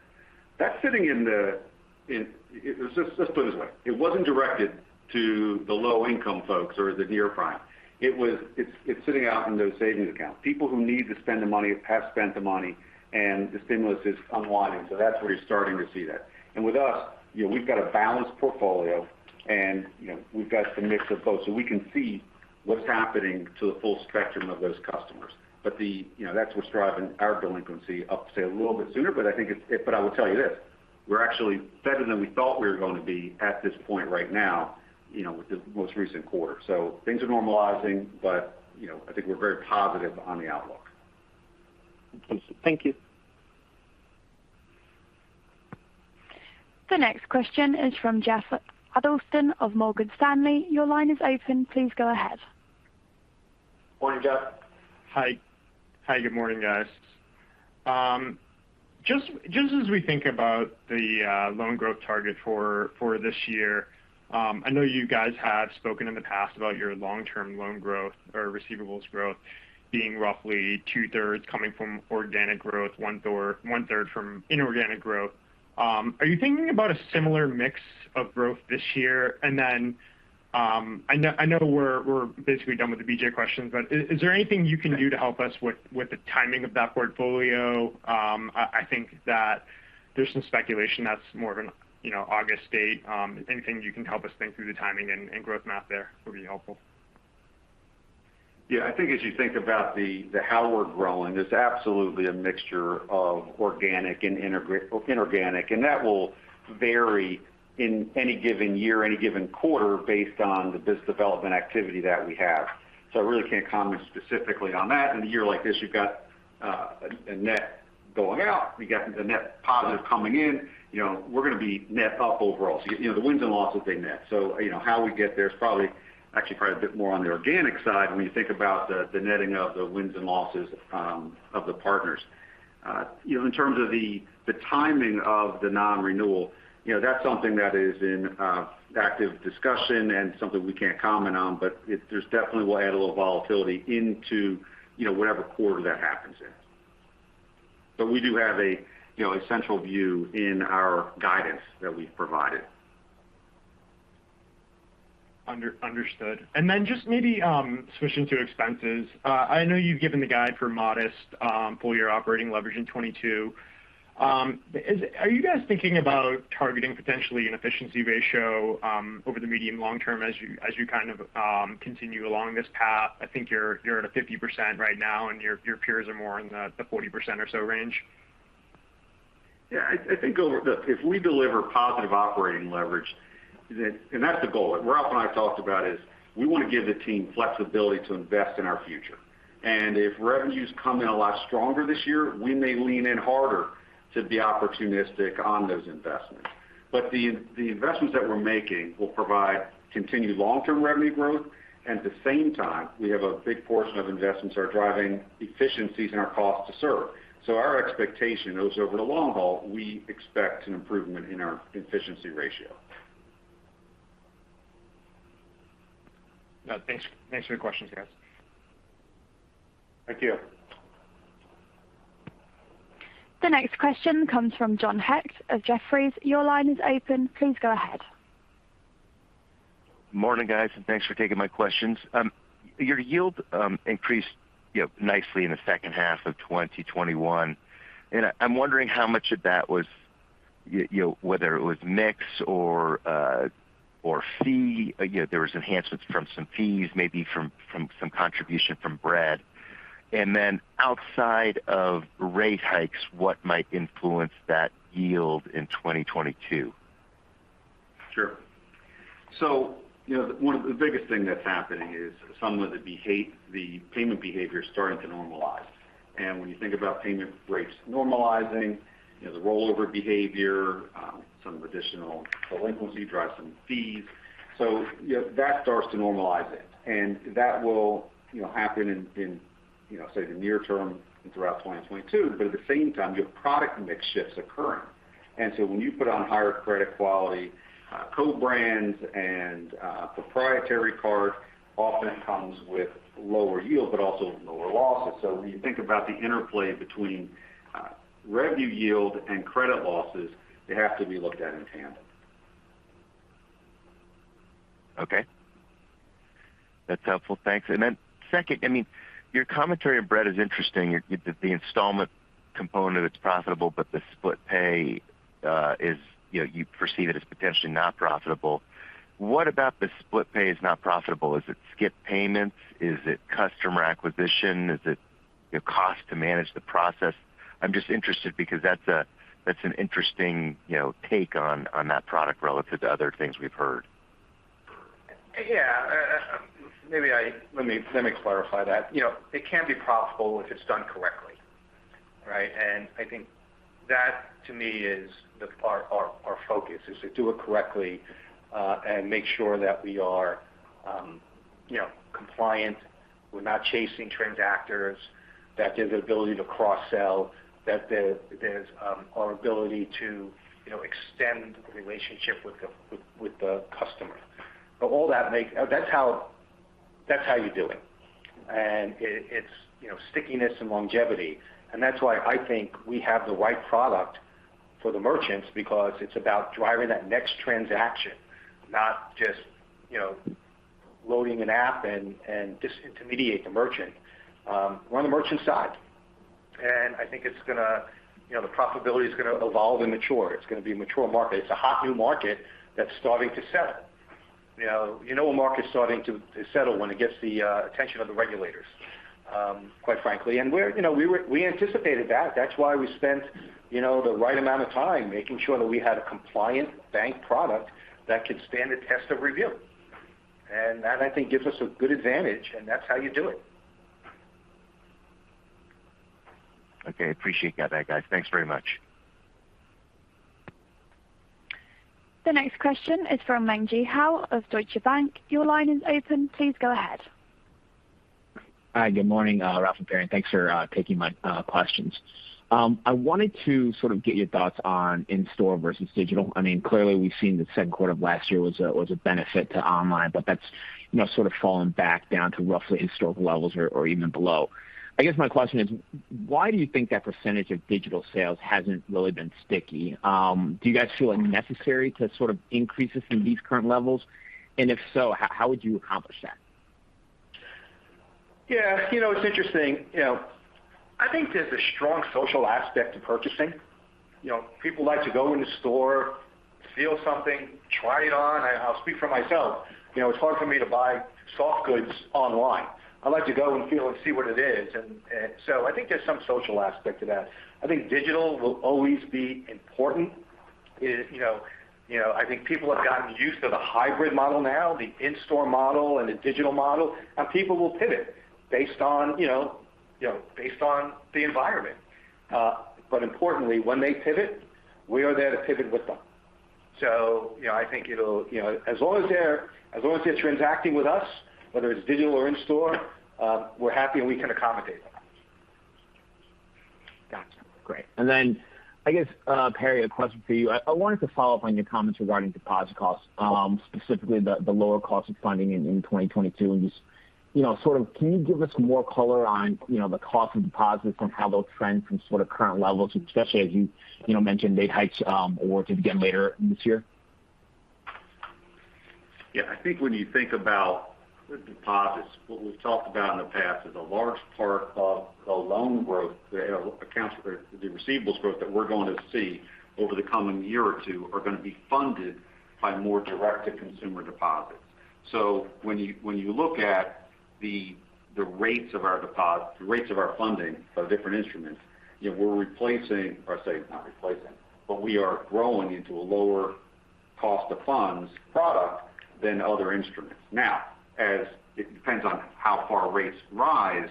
That's sitting in the—let's put it this way, it wasn't directed to the low-income folks or the near-prime, it's sitting out in those savings accounts. People who need to spend the money have spent the money, and the stimulus is unwinding. That's where you're starting to see that. With us, you know, we've got a balanced portfolio, and, you know, we've got the mix of both. We can see what's happening to the full spectrum of those customers. The, you know, that's what's driving our delinquency up, say, a little bit sooner. I think it's, but I will tell you this, we're actually better than we thought we were going to be at this point right now, you know, with the most recent quarter. Things are normalizing, but, you know, I think we're very positive on the outlook. Okay. Thank you. The next question is from Jeff Adelson of Morgan Stanley. Your line is open. Please go ahead. Morning, Jeff. Hi, good morning, guys. Just as we think about the loan growth target for this year, I know you guys have spoken in the past about your long-term loan growth or receivables growth being roughly 2/3 coming from organic growth, 1/3 from inorganic growth. Are you thinking about a similar mix of growth this year? I know we're basically done with the BJ's questions, but is there anything you can do to help us with the timing of that portfolio? I think that there's some speculation that's more of an, you know, August date. Anything you can help us think through the timing and growth map there would be helpful. Yeah. I think as you think about the how we're growing, there's absolutely a mixture of organic and inorganic, and that will vary in any given year or any given quarter based on the biz development activity that we have. I really can't comment specifically on that. In a year like this, you've got a net going out. You've got the net positive coming in. You know, we're going to be net up overall. You know, the wins and losses they net. You know, how we get there is probably a bit more on the organic side when you think about the netting of the wins and losses of the partners. You know, in terms of the timing of the non-renewal, you know, that's something that is in active discussion and something we can't comment on. There's definitely that will add a little volatility into, you know, whatever quarter that happens in. We do have a, you know, a central view in our guidance that we've provided. Understood. Just maybe switching to expenses. I know you've given the guide for modest full-year operating leverage in 2022. Are you guys thinking about targeting potentially an efficiency ratio over the medium long term as you kind of continue along this path? I think you're at 50% right now, and your peers are more in the 40% or so range. Yeah. I think over the, if we deliver positive operating leverage, then that's the goal. Ralph and I have talked about is we want to give the team flexibility to invest in our future. If revenues come in a lot stronger this year, we may lean in harder to be opportunistic on those investments. The investments that we're making will provide continued long-term revenue growth. At the same time, we have a big portion of investments that are driving efficiencies in our cost to serve. Our expectation is over the long haul, we expect an improvement in our efficiency ratio. Yeah. Thanks. Thanks for the questions, guys. Thank you. The next question comes from John Hecht of Jefferies. Your line is open. Please go ahead. Morning, guys, and thanks for taking my questions. Your yield increased, you know, nicely in the second half of 2021. I'm wondering how much of that was, you know, whether it was mix or fee. You know, there was enhancements from some fees, maybe from some contribution from Bread. Outside of rate hikes, what might influence that yield in 2022? Sure. You know, one of the biggest thing that's happening is some of the behavior. The payment behavior is starting to normalize. When you think about payment rates normalizing, you know, the rollover behavior, some additional delinquency drives some fees. You know, that starts to normalize it. That will, you know, happen in, you know, say, the near term and throughout 2022. At the same time, you have product mix shifts occurring. When you put on higher credit quality, co-brands and proprietary card often comes with lower yield but also lower losses. When you think about the interplay between revenue yield and credit losses, they have to be looked at in tandem. Okay. That's helpful. Thanks. Second, I mean, your commentary on Bread is interesting. The installment component, it's profitable, but the split pay is, you know, you perceive it as potentially not profitable. What about the split pay is not profitable? Is it skipped payments? Is it customer acquisition? Is it the cost to manage the process? I'm just interested because that's an interesting, you know, take on that product relative to other things we've heard. Yeah. Let me clarify that. You know, it can be profitable if it's done correctly, right? I think that to me is our focus, is to do it correctly and make sure that we are, you know, compliant. We're not chasing transactors. That there's an ability to cross-sell. That there's our ability to, you know, extend the relationship with the customer. But all that makes—that's how you do it. It's, you know, stickiness and longevity. That's why I think we have the right product for the merchants because it's about driving that next transaction, not just, you know, loading an app and disintermediate the merchant. We're on the merchant side. I think it's gonna, you know, the profitability is gonna evolve and mature. It's gonna be a mature market. It's a hot new market that's starting to settle. You know a market's starting to settle when it gets the attention of the regulators, quite frankly. You know, we anticipated that. That's why we spent, you know, the right amount of time making sure that we had a compliant bank product that could stand the test of review. That I think gives us a good advantage, and that's how you do it. Okay. Appreciate that, guys. Thanks very much. The next question is from Meng Jiao of Deutsche Bank. Your line is open. Please go ahead. Hi. Good morning, Ralph and Perry. Thanks for taking my questions. I wanted to sort of get your thoughts on in-store versus digital. I mean, clearly, we've seen that second quarter of last year was a benefit to online, but that's, you know, sort of fallen back down to roughly historical levels or even below. I guess my question is, why do you think that percentage of digital sales hasn't really been sticky? Do you guys feel it necessary to sort of increase this from these current levels? If so, how would you accomplish that? Yeah. You know, it's interesting. You know, I think there's a strong social aspect to purchasing. You know, people like to go in the store, feel something, try it on. I'll speak for myself. You know, it's hard for me to buy soft goods online. I like to go and feel and see what it is. I think there's some social aspect to that. I think digital will always be important. You know, I think people have gotten used to the hybrid model now, the in-store model and the digital model. People will pivot based on, you know, based on the environment. Importantly, when they pivot, we are there to pivot with them. You know, I think it'll, you know, as long as they're transacting with us, whether it's digital or in store, we're happy and we can accommodate that. Gotcha. Great. I guess, Perry, a question for you. I wanted to follow up on your comments regarding deposit costs, specifically the lower cost of funding in 2022. Just, you know, sort of can you give us more color on, you know, the cost of deposits and how they'll trend from sort of current levels, especially as you know, mentioned rate hikes or could begin later in this year? Yeah. I think when you think about deposits, what we've talked about in the past is a large part of the loan growth, or the receivables growth that we're going to see over the coming year or two are gonna be funded by more direct-to-consumer deposits. When you look at the rates of our funding of different instruments, you know, we're replacing or say, not replacing, but we are growing into a lower cost of funds product than other instruments. As it depends on how far rates rise,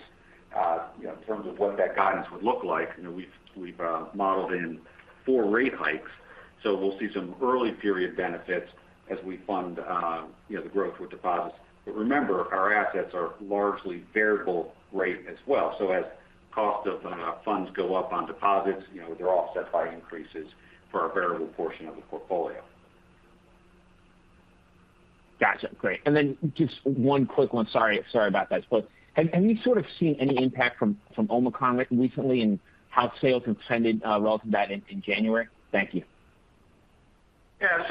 you know, in terms of what that guidance would look like. You know, we've modeled in four rate hikes, so we'll see some early period benefits as we fund, you know, the growth with deposits. Remember, our assets are largely variable rate as well. As cost of funds go up on deposits, you know, they're offset by increases for our variable portion of the portfolio. Gotcha. Great. Then just one quick one. Sorry about that. Have you sort of seen any impact from Omicron recently and how sales have trended relative to that in January? Thank you. Yeah.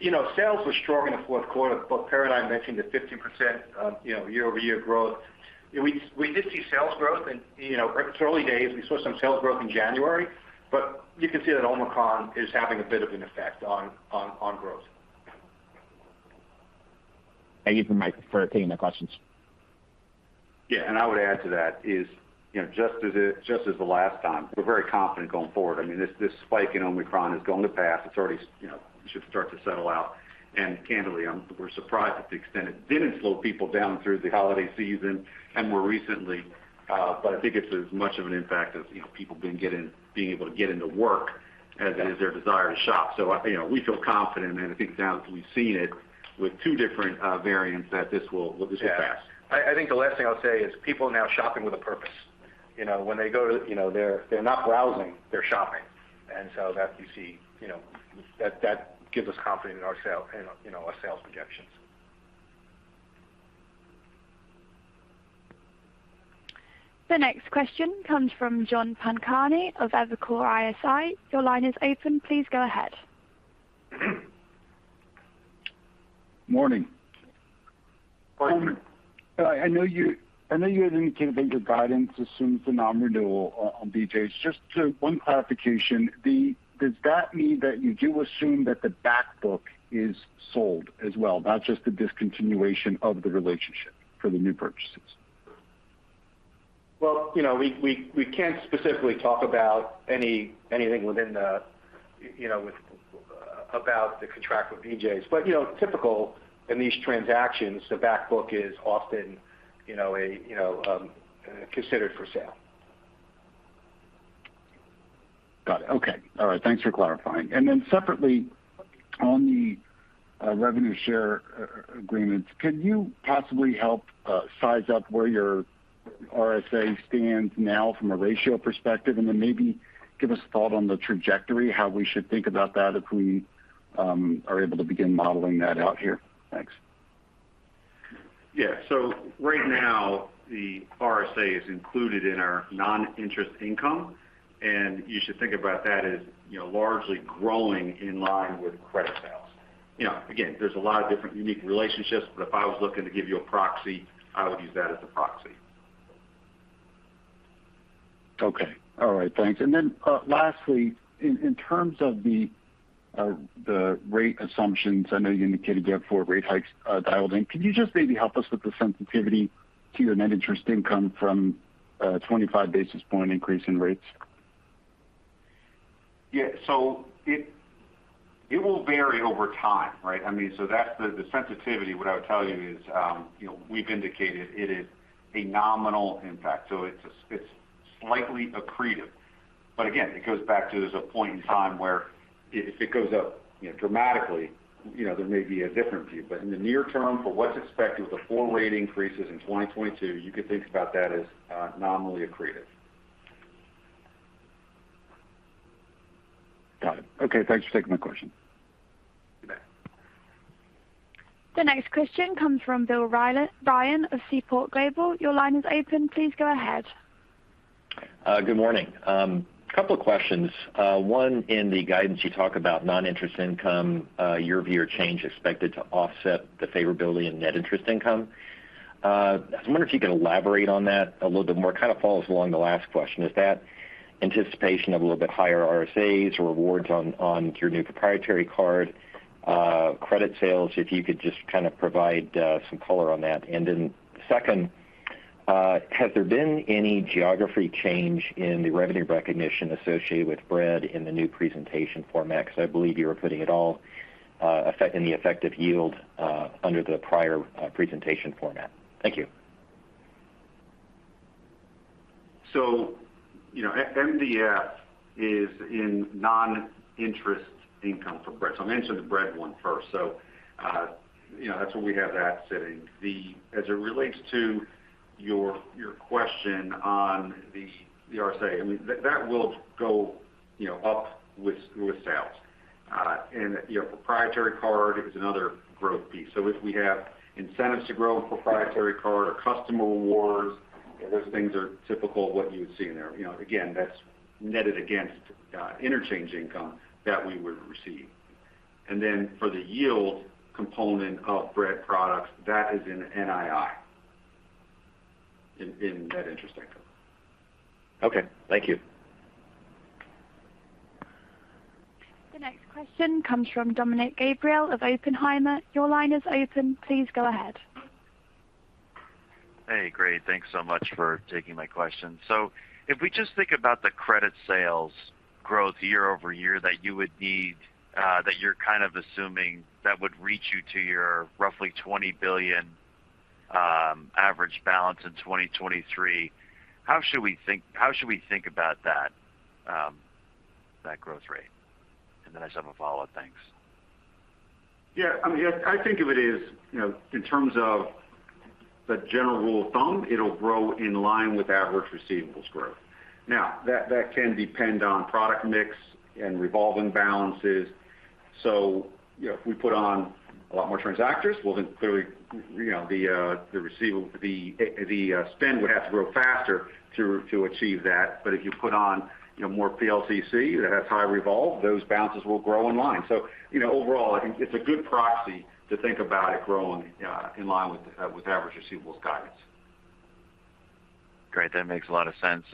You know, sales were strong in the fourth quarter. Both Perry and I mentioned the 15%, you know, year-over-year growth. We did see sales growth, you know. It's early days. We saw some sales growth in January, but you can see that Omicron is having a bit of an effect on growth. Thank you for taking the questions. Yeah. I would add to that is, you know, just as the last time, we're very confident going forward. I mean, this spike in Omicron is going to pass. It's already, you know, should start to settle out. Candidly, we're surprised at the extent it didn't slow people down through the holiday season and more recently. But I think it's as much of an impact as, you know, people being able to get into work as it is their desire to shop. I, you know, we feel confident, and I think now that we've seen it with two different variants, that this will pass. Yeah. I think the last thing I'll say is people are now shopping with a purpose. You know, when they go to, you know, they're not browsing, they're shopping. That you see, you know, that gives us confidence in our sale and, you know, our sales projections. The next question comes from John Pancari of Evercore ISI. Your line is open. Please go ahead. Morning. Morning. I know you had indicated that your guidance assumes the non-renewal on BJ's. Just one clarification. Does that mean that you do assume that the back book is sold as well, not just the discontinuation of the relationship for the new purchases? Well, you know, we can't specifically talk about anything within the, you know, about the contract with BJ's. You know, typical in these transactions, the back book is often, you know, considered for sale. Got it. Okay. All right. Thanks for clarifying. Separately, on the revenue share agreements, can you possibly help size up where your RSA stands now from a ratio perspective? Maybe give us a thought on the trajectory, how we should think about that if we are able to begin modeling that out here. Thanks. Yeah. Right now the RSA is included in our non-interest income, and you should think about that as, you know, largely growing in line with credit sales. You know, again, there's a lot of different unique relationships, but if I was looking to give you a proxy, I would use that as a proxy. Okay. All right. Thanks. Lastly, in terms of the rate assumptions, I know you indicated you have four rate hikes dialed in. Can you just maybe help us with the sensitivity to your net interest income from a 25 basis-point increase in rates? Yeah. It will vary over time, right? I mean, that's the sensitivity. What I would tell you is, you know, we've indicated it is a nominal impact, so it's slightly accretive. Again, it goes back to there's a point in time where if it goes up, you know, dramatically, you know, there may be a different view. In the near term, for what's expected with the four rate increases in 2022, you could think about that as, nominally accretive. Got it. Okay. Thanks for taking my question. You bet. The next question comes from Bill Ryan of Seaport Global. Your line is open. Please go ahead. Good morning. A couple of questions. One, in the guidance you talk about non-interest income, year-over-year change expected to offset the favorability in net interest income. I wonder if you could elaborate on that a little bit more. Kind of follows along the last question. Is that anticipation of a little bit higher RSAs or rewards on your new proprietary card credit sales? If you could just kind of provide some color on that. Second, has there been any geographic change in the revenue recognition associated with Bread in the new presentation format? Because I believe you were putting it all in the effective yield under the prior presentation format. Thank you. You know, MDF is in non-interest income for Bread. I'll mention the Bread one first. You know, that's where we have that sitting. As it relates to your question on the RSA, I mean, that will go up with sales. You know, proprietary card is another growth piece. If we have incentives to grow a proprietary card or customer rewards, those things are typical of what you would see in there. You know, again, that's netted against interchange income that we would receive. And then for the yield component of Bread products, that is in NII, in net interest income. Okay. Thank you. The next question comes from Dominick Gabriele of Oppenheimer. Your line is open. Please go ahead. Hey, great. Thanks so much for taking my question. If we just think about the credit sales growth year-over-year that you would need, that you're kind of assuming that would get you to your roughly $20 billion average balance in 2023, how should we think about that growth rate? I just have a follow-up. Thanks. Yeah. I mean, I think of it as, you know, in terms of the general rule of thumb, it'll grow in line with average receivables growth. Now, that can depend on product mix and revolving balances. You know, if we put on a lot more transactors, well, then clearly, you know, the spend would have to grow faster to achieve that. If you put on, you know, more PLCC that has high revolve, those balances will grow in line. You know, overall, I think it's a good proxy to think about it growing in line with average receivables guidance. Great. That makes a lot of sense.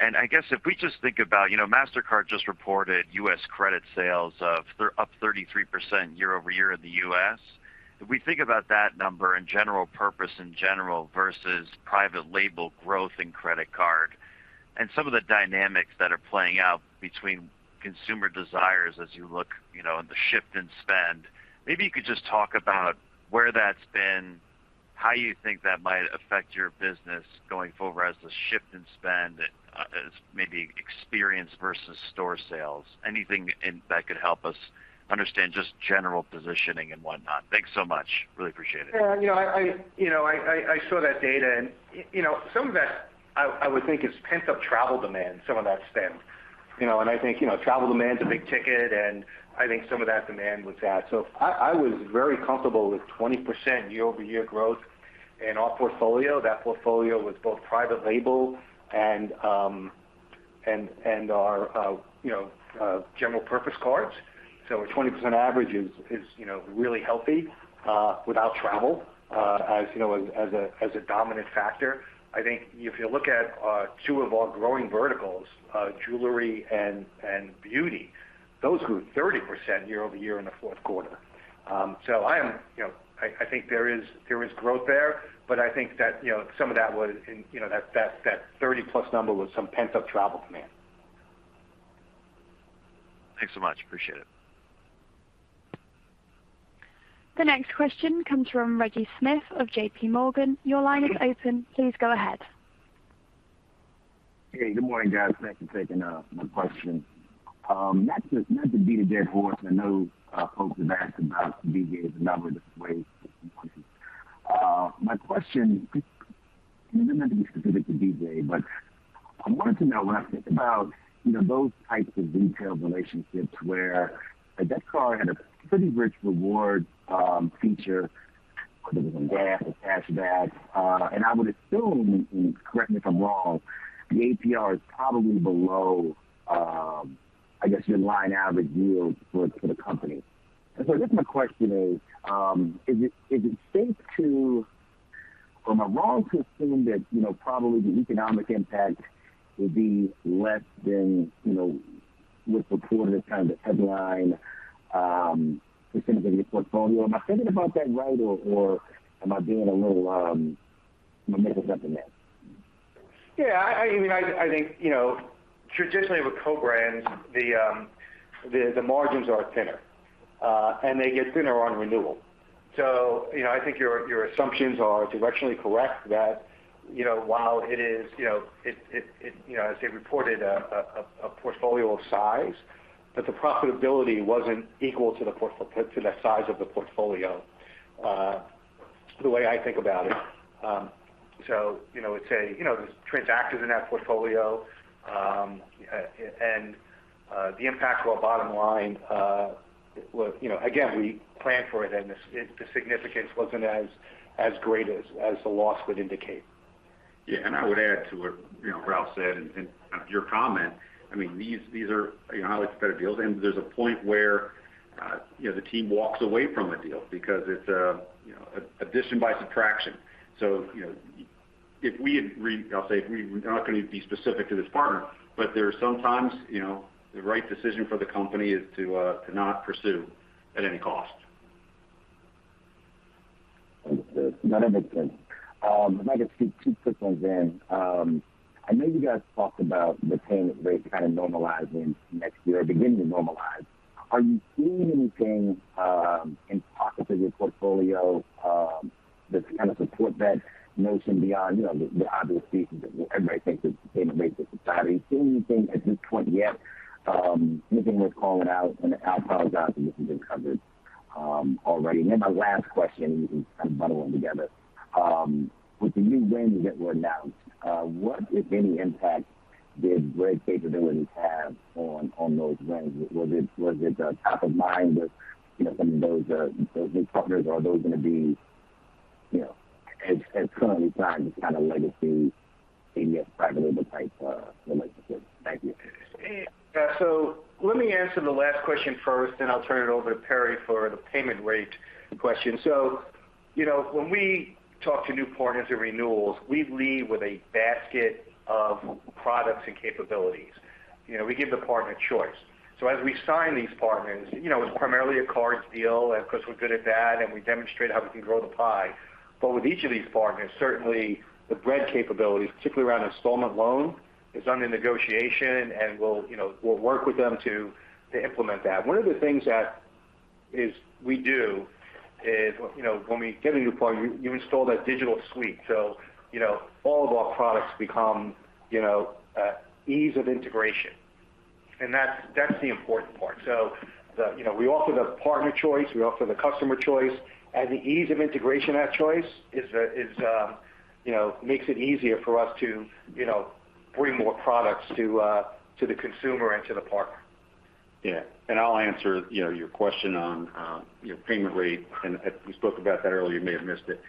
I guess if we just think about, you know, Mastercard just reported U.S. credit sales up 33% year-over-year in the U.S. If we think about that number and general purpose in general versus private label growth in credit card and some of the dynamics that are playing out between consumer desires as you look, you know, on the shift in spend, maybe you could just talk about where that's been, how you think that might affect your business going forward as the shift in spend, as maybe experience versus store sales. Anything that could help us understand just general positioning and whatnot. Thanks so much. Really appreciate it. Yeah. You know, I you know, I saw that data, and you know, some of that I would think is pent-up travel demand, some of that spend. You know, I think, you know, travel demand's a big ticket, and I think some of that demand was that. I was very comfortable with 20% year-over-year growth in our portfolio. That portfolio was both private label and, you know, our general purpose cards. A 20% average is, you know, really healthy without travel as, you know, as a dominant factor. I think if you look at two of our growing verticals, jewelry and beauty, those grew 30% year-over-year in the fourth quarter. You know, I think there is growth there, but I think that, you know, some of that was in, you know, that 30+ number was some pent-up travel demand. Thanks so much. Appreciate it. The next question comes from Reggie Smith of JPMorgan. Your line is open. Please go ahead. Hey, good morning, guys. Thanks for taking my question. Not to beat a dead horse, I know folks have asked about BJ's in a number of ways this morning. My question isn't meant to be specific to BJ's, but I wanted to know, when I think about, you know, those types of detailed relationships where a debit card had a pretty rich reward feature, whether it was in gas or cash back, and I would assume, and correct me if I'm wrong, the APR is probably below, I guess, your line average yield for the company. I guess my question is, am I wrong to assume that, you know, probably the economic impact would be less than, you know, what's reported kind of the headline percentage of your portfolio? Am I thinking about that right, or am I being a little? Am I missing something there? Yeah. I mean, I think, you know, traditionally with co-brands, the margins are thinner and they get thinner on renewal. You know, I think your assumptions are directionally correct that, you know, while it is, you know, it, you know, as they reported a portfolio of size, but the profitability wasn't equal to the size of the portfolio, the way I think about it. You know, there's transactors in that portfolio, and the impact to our bottom line was, you know, again, we planned for it and the significance wasn't as great as the loss would indicate. Yeah. I would add to what, you know, Ralph said, and your comment. I mean, these are, you know, highly competitive deals, and there's a point where, you know, the team walks away from a deal because it's, you know, addition by subtraction. You know, I'm not gonna be specific to this partner, but there are sometimes, you know, the right decision for the company is to not pursue at any cost. Understood. No, that makes sense. If I could sneak two quick ones in. I know you guys talked about the payment rate kind of normalizing next year or beginning to normalize. Are you seeing anything in pockets of your portfolio that kind of support that notion beyond, you know, the obvious pieces everybody thinks of payment rates as a category? Seeing anything at this point yet, anything worth calling out? I apologize if this has been covered already. My last question, kind of bundle them together. With the new lenders that were announced, what, if any, impact did Bread capabilities have on those lenders? Was it top of mind with, you know, some of those new partners? Are those gonna be, you know, as currently planned, just kind of legacy ADS programmable type relationships? Thank you. Let me answer the last question first, and I'll turn it over to Perry for the payment rate question. You know, when we talk to new partners or renewals, we lead with a basket of products and capabilities. You know, we give the partner choice. As we sign these partners, you know, it's primarily a cards deal, and of course, we're good at that, and we demonstrate how we can grow the pie. With each of these partners, certainly the Bread capabilities, particularly around installment loan, is under negotiation. We'll, you know, work with them to implement that. One of the things we do is, you know, when we get a new partner, you install that digital suite. You know, all of our products become, you know, ease of integration. That's the important part. The, you know, we offer the partner choice, we offer the customer choice, and the ease of integration of that choice is, you know, makes it easier for us to, you know, bring more products to the consumer and to the partner. Yeah. I'll answer your question on payment rate. We spoke about that earlier, you may have missed it.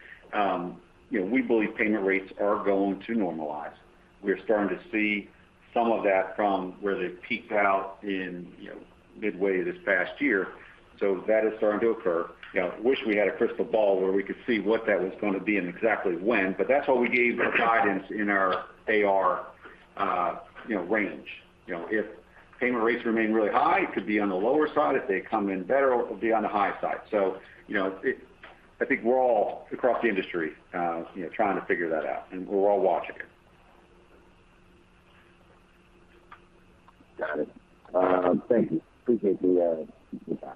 You know, we believe payment rates are going to normalize. We're starting to see some of that from where they peaked out midway this past year. That is starting to occur. You know, wish we had a crystal ball where we could see what that was going to be and exactly when, but that's why we gave our guidance in our AR range. You know, if payment rates remain really high, it could be on the lower side. If they come in better, it will be on the high side. You know, I think we're all across the industry trying to figure that out, and we're all watching it. Got it. Thank you. Appreciate the time.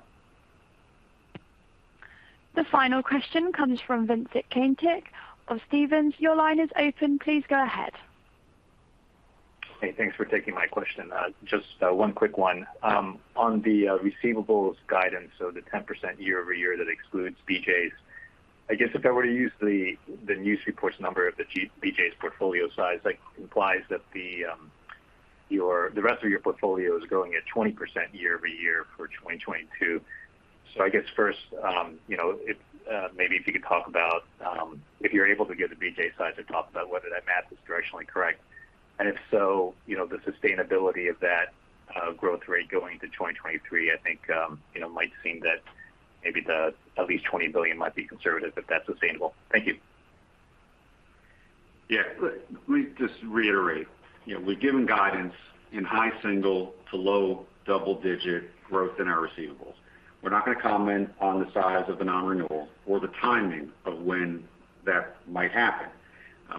The final question comes from Vincent Caintic of Stephens. Your line is open. Please go ahead. Hey, thanks for taking my question. Just one quick one. On the receivables guidance, the 10% year-over-year that excludes BJ's. I guess if I were to use the news reports number of the BJ's portfolio size, that implies that the rest of your portfolio is growing at 20% year-over-year for 2022. I guess first, you know, if maybe if you could talk about if you're able to give the BJ's size or talk about whether that math is directionally correct. If so, you know, the sustainability of that growth rate going into 2023, I think you know, might seem that maybe the at least $20 billion might be conservative, but that's sustainable. Thank you. Yeah. Let me just reiterate. You know, we've given guidance in high single- to low double-digit growth in our receivables. We're not gonna comment on the size of the non-renewal or the timing of when that might happen.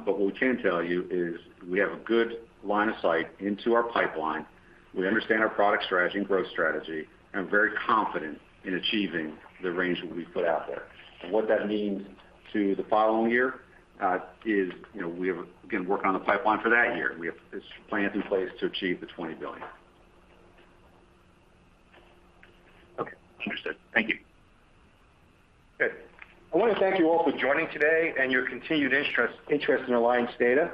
But what we can tell you is we have a good line of sight into our pipeline. We understand our product strategy and growth strategy, and I'm very confident in achieving the range that we've put out there. What that means to the following year is, you know, we have, again, working on the pipeline for that year. We have plans in place to achieve the $20 billion. Okay. Understood. Thank you. Good. I wanna thank you all for joining today and your continued interest in Alliance Data.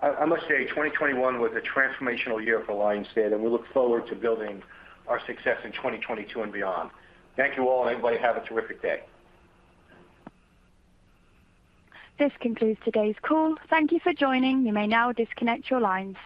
I must say 2021 was a transformational year for Alliance Data, and we look forward to building our success in 2022 and beyond. Thank you all, and everybody have a terrific day. This concludes today's call. Thank you for joining. You may now disconnect your lines.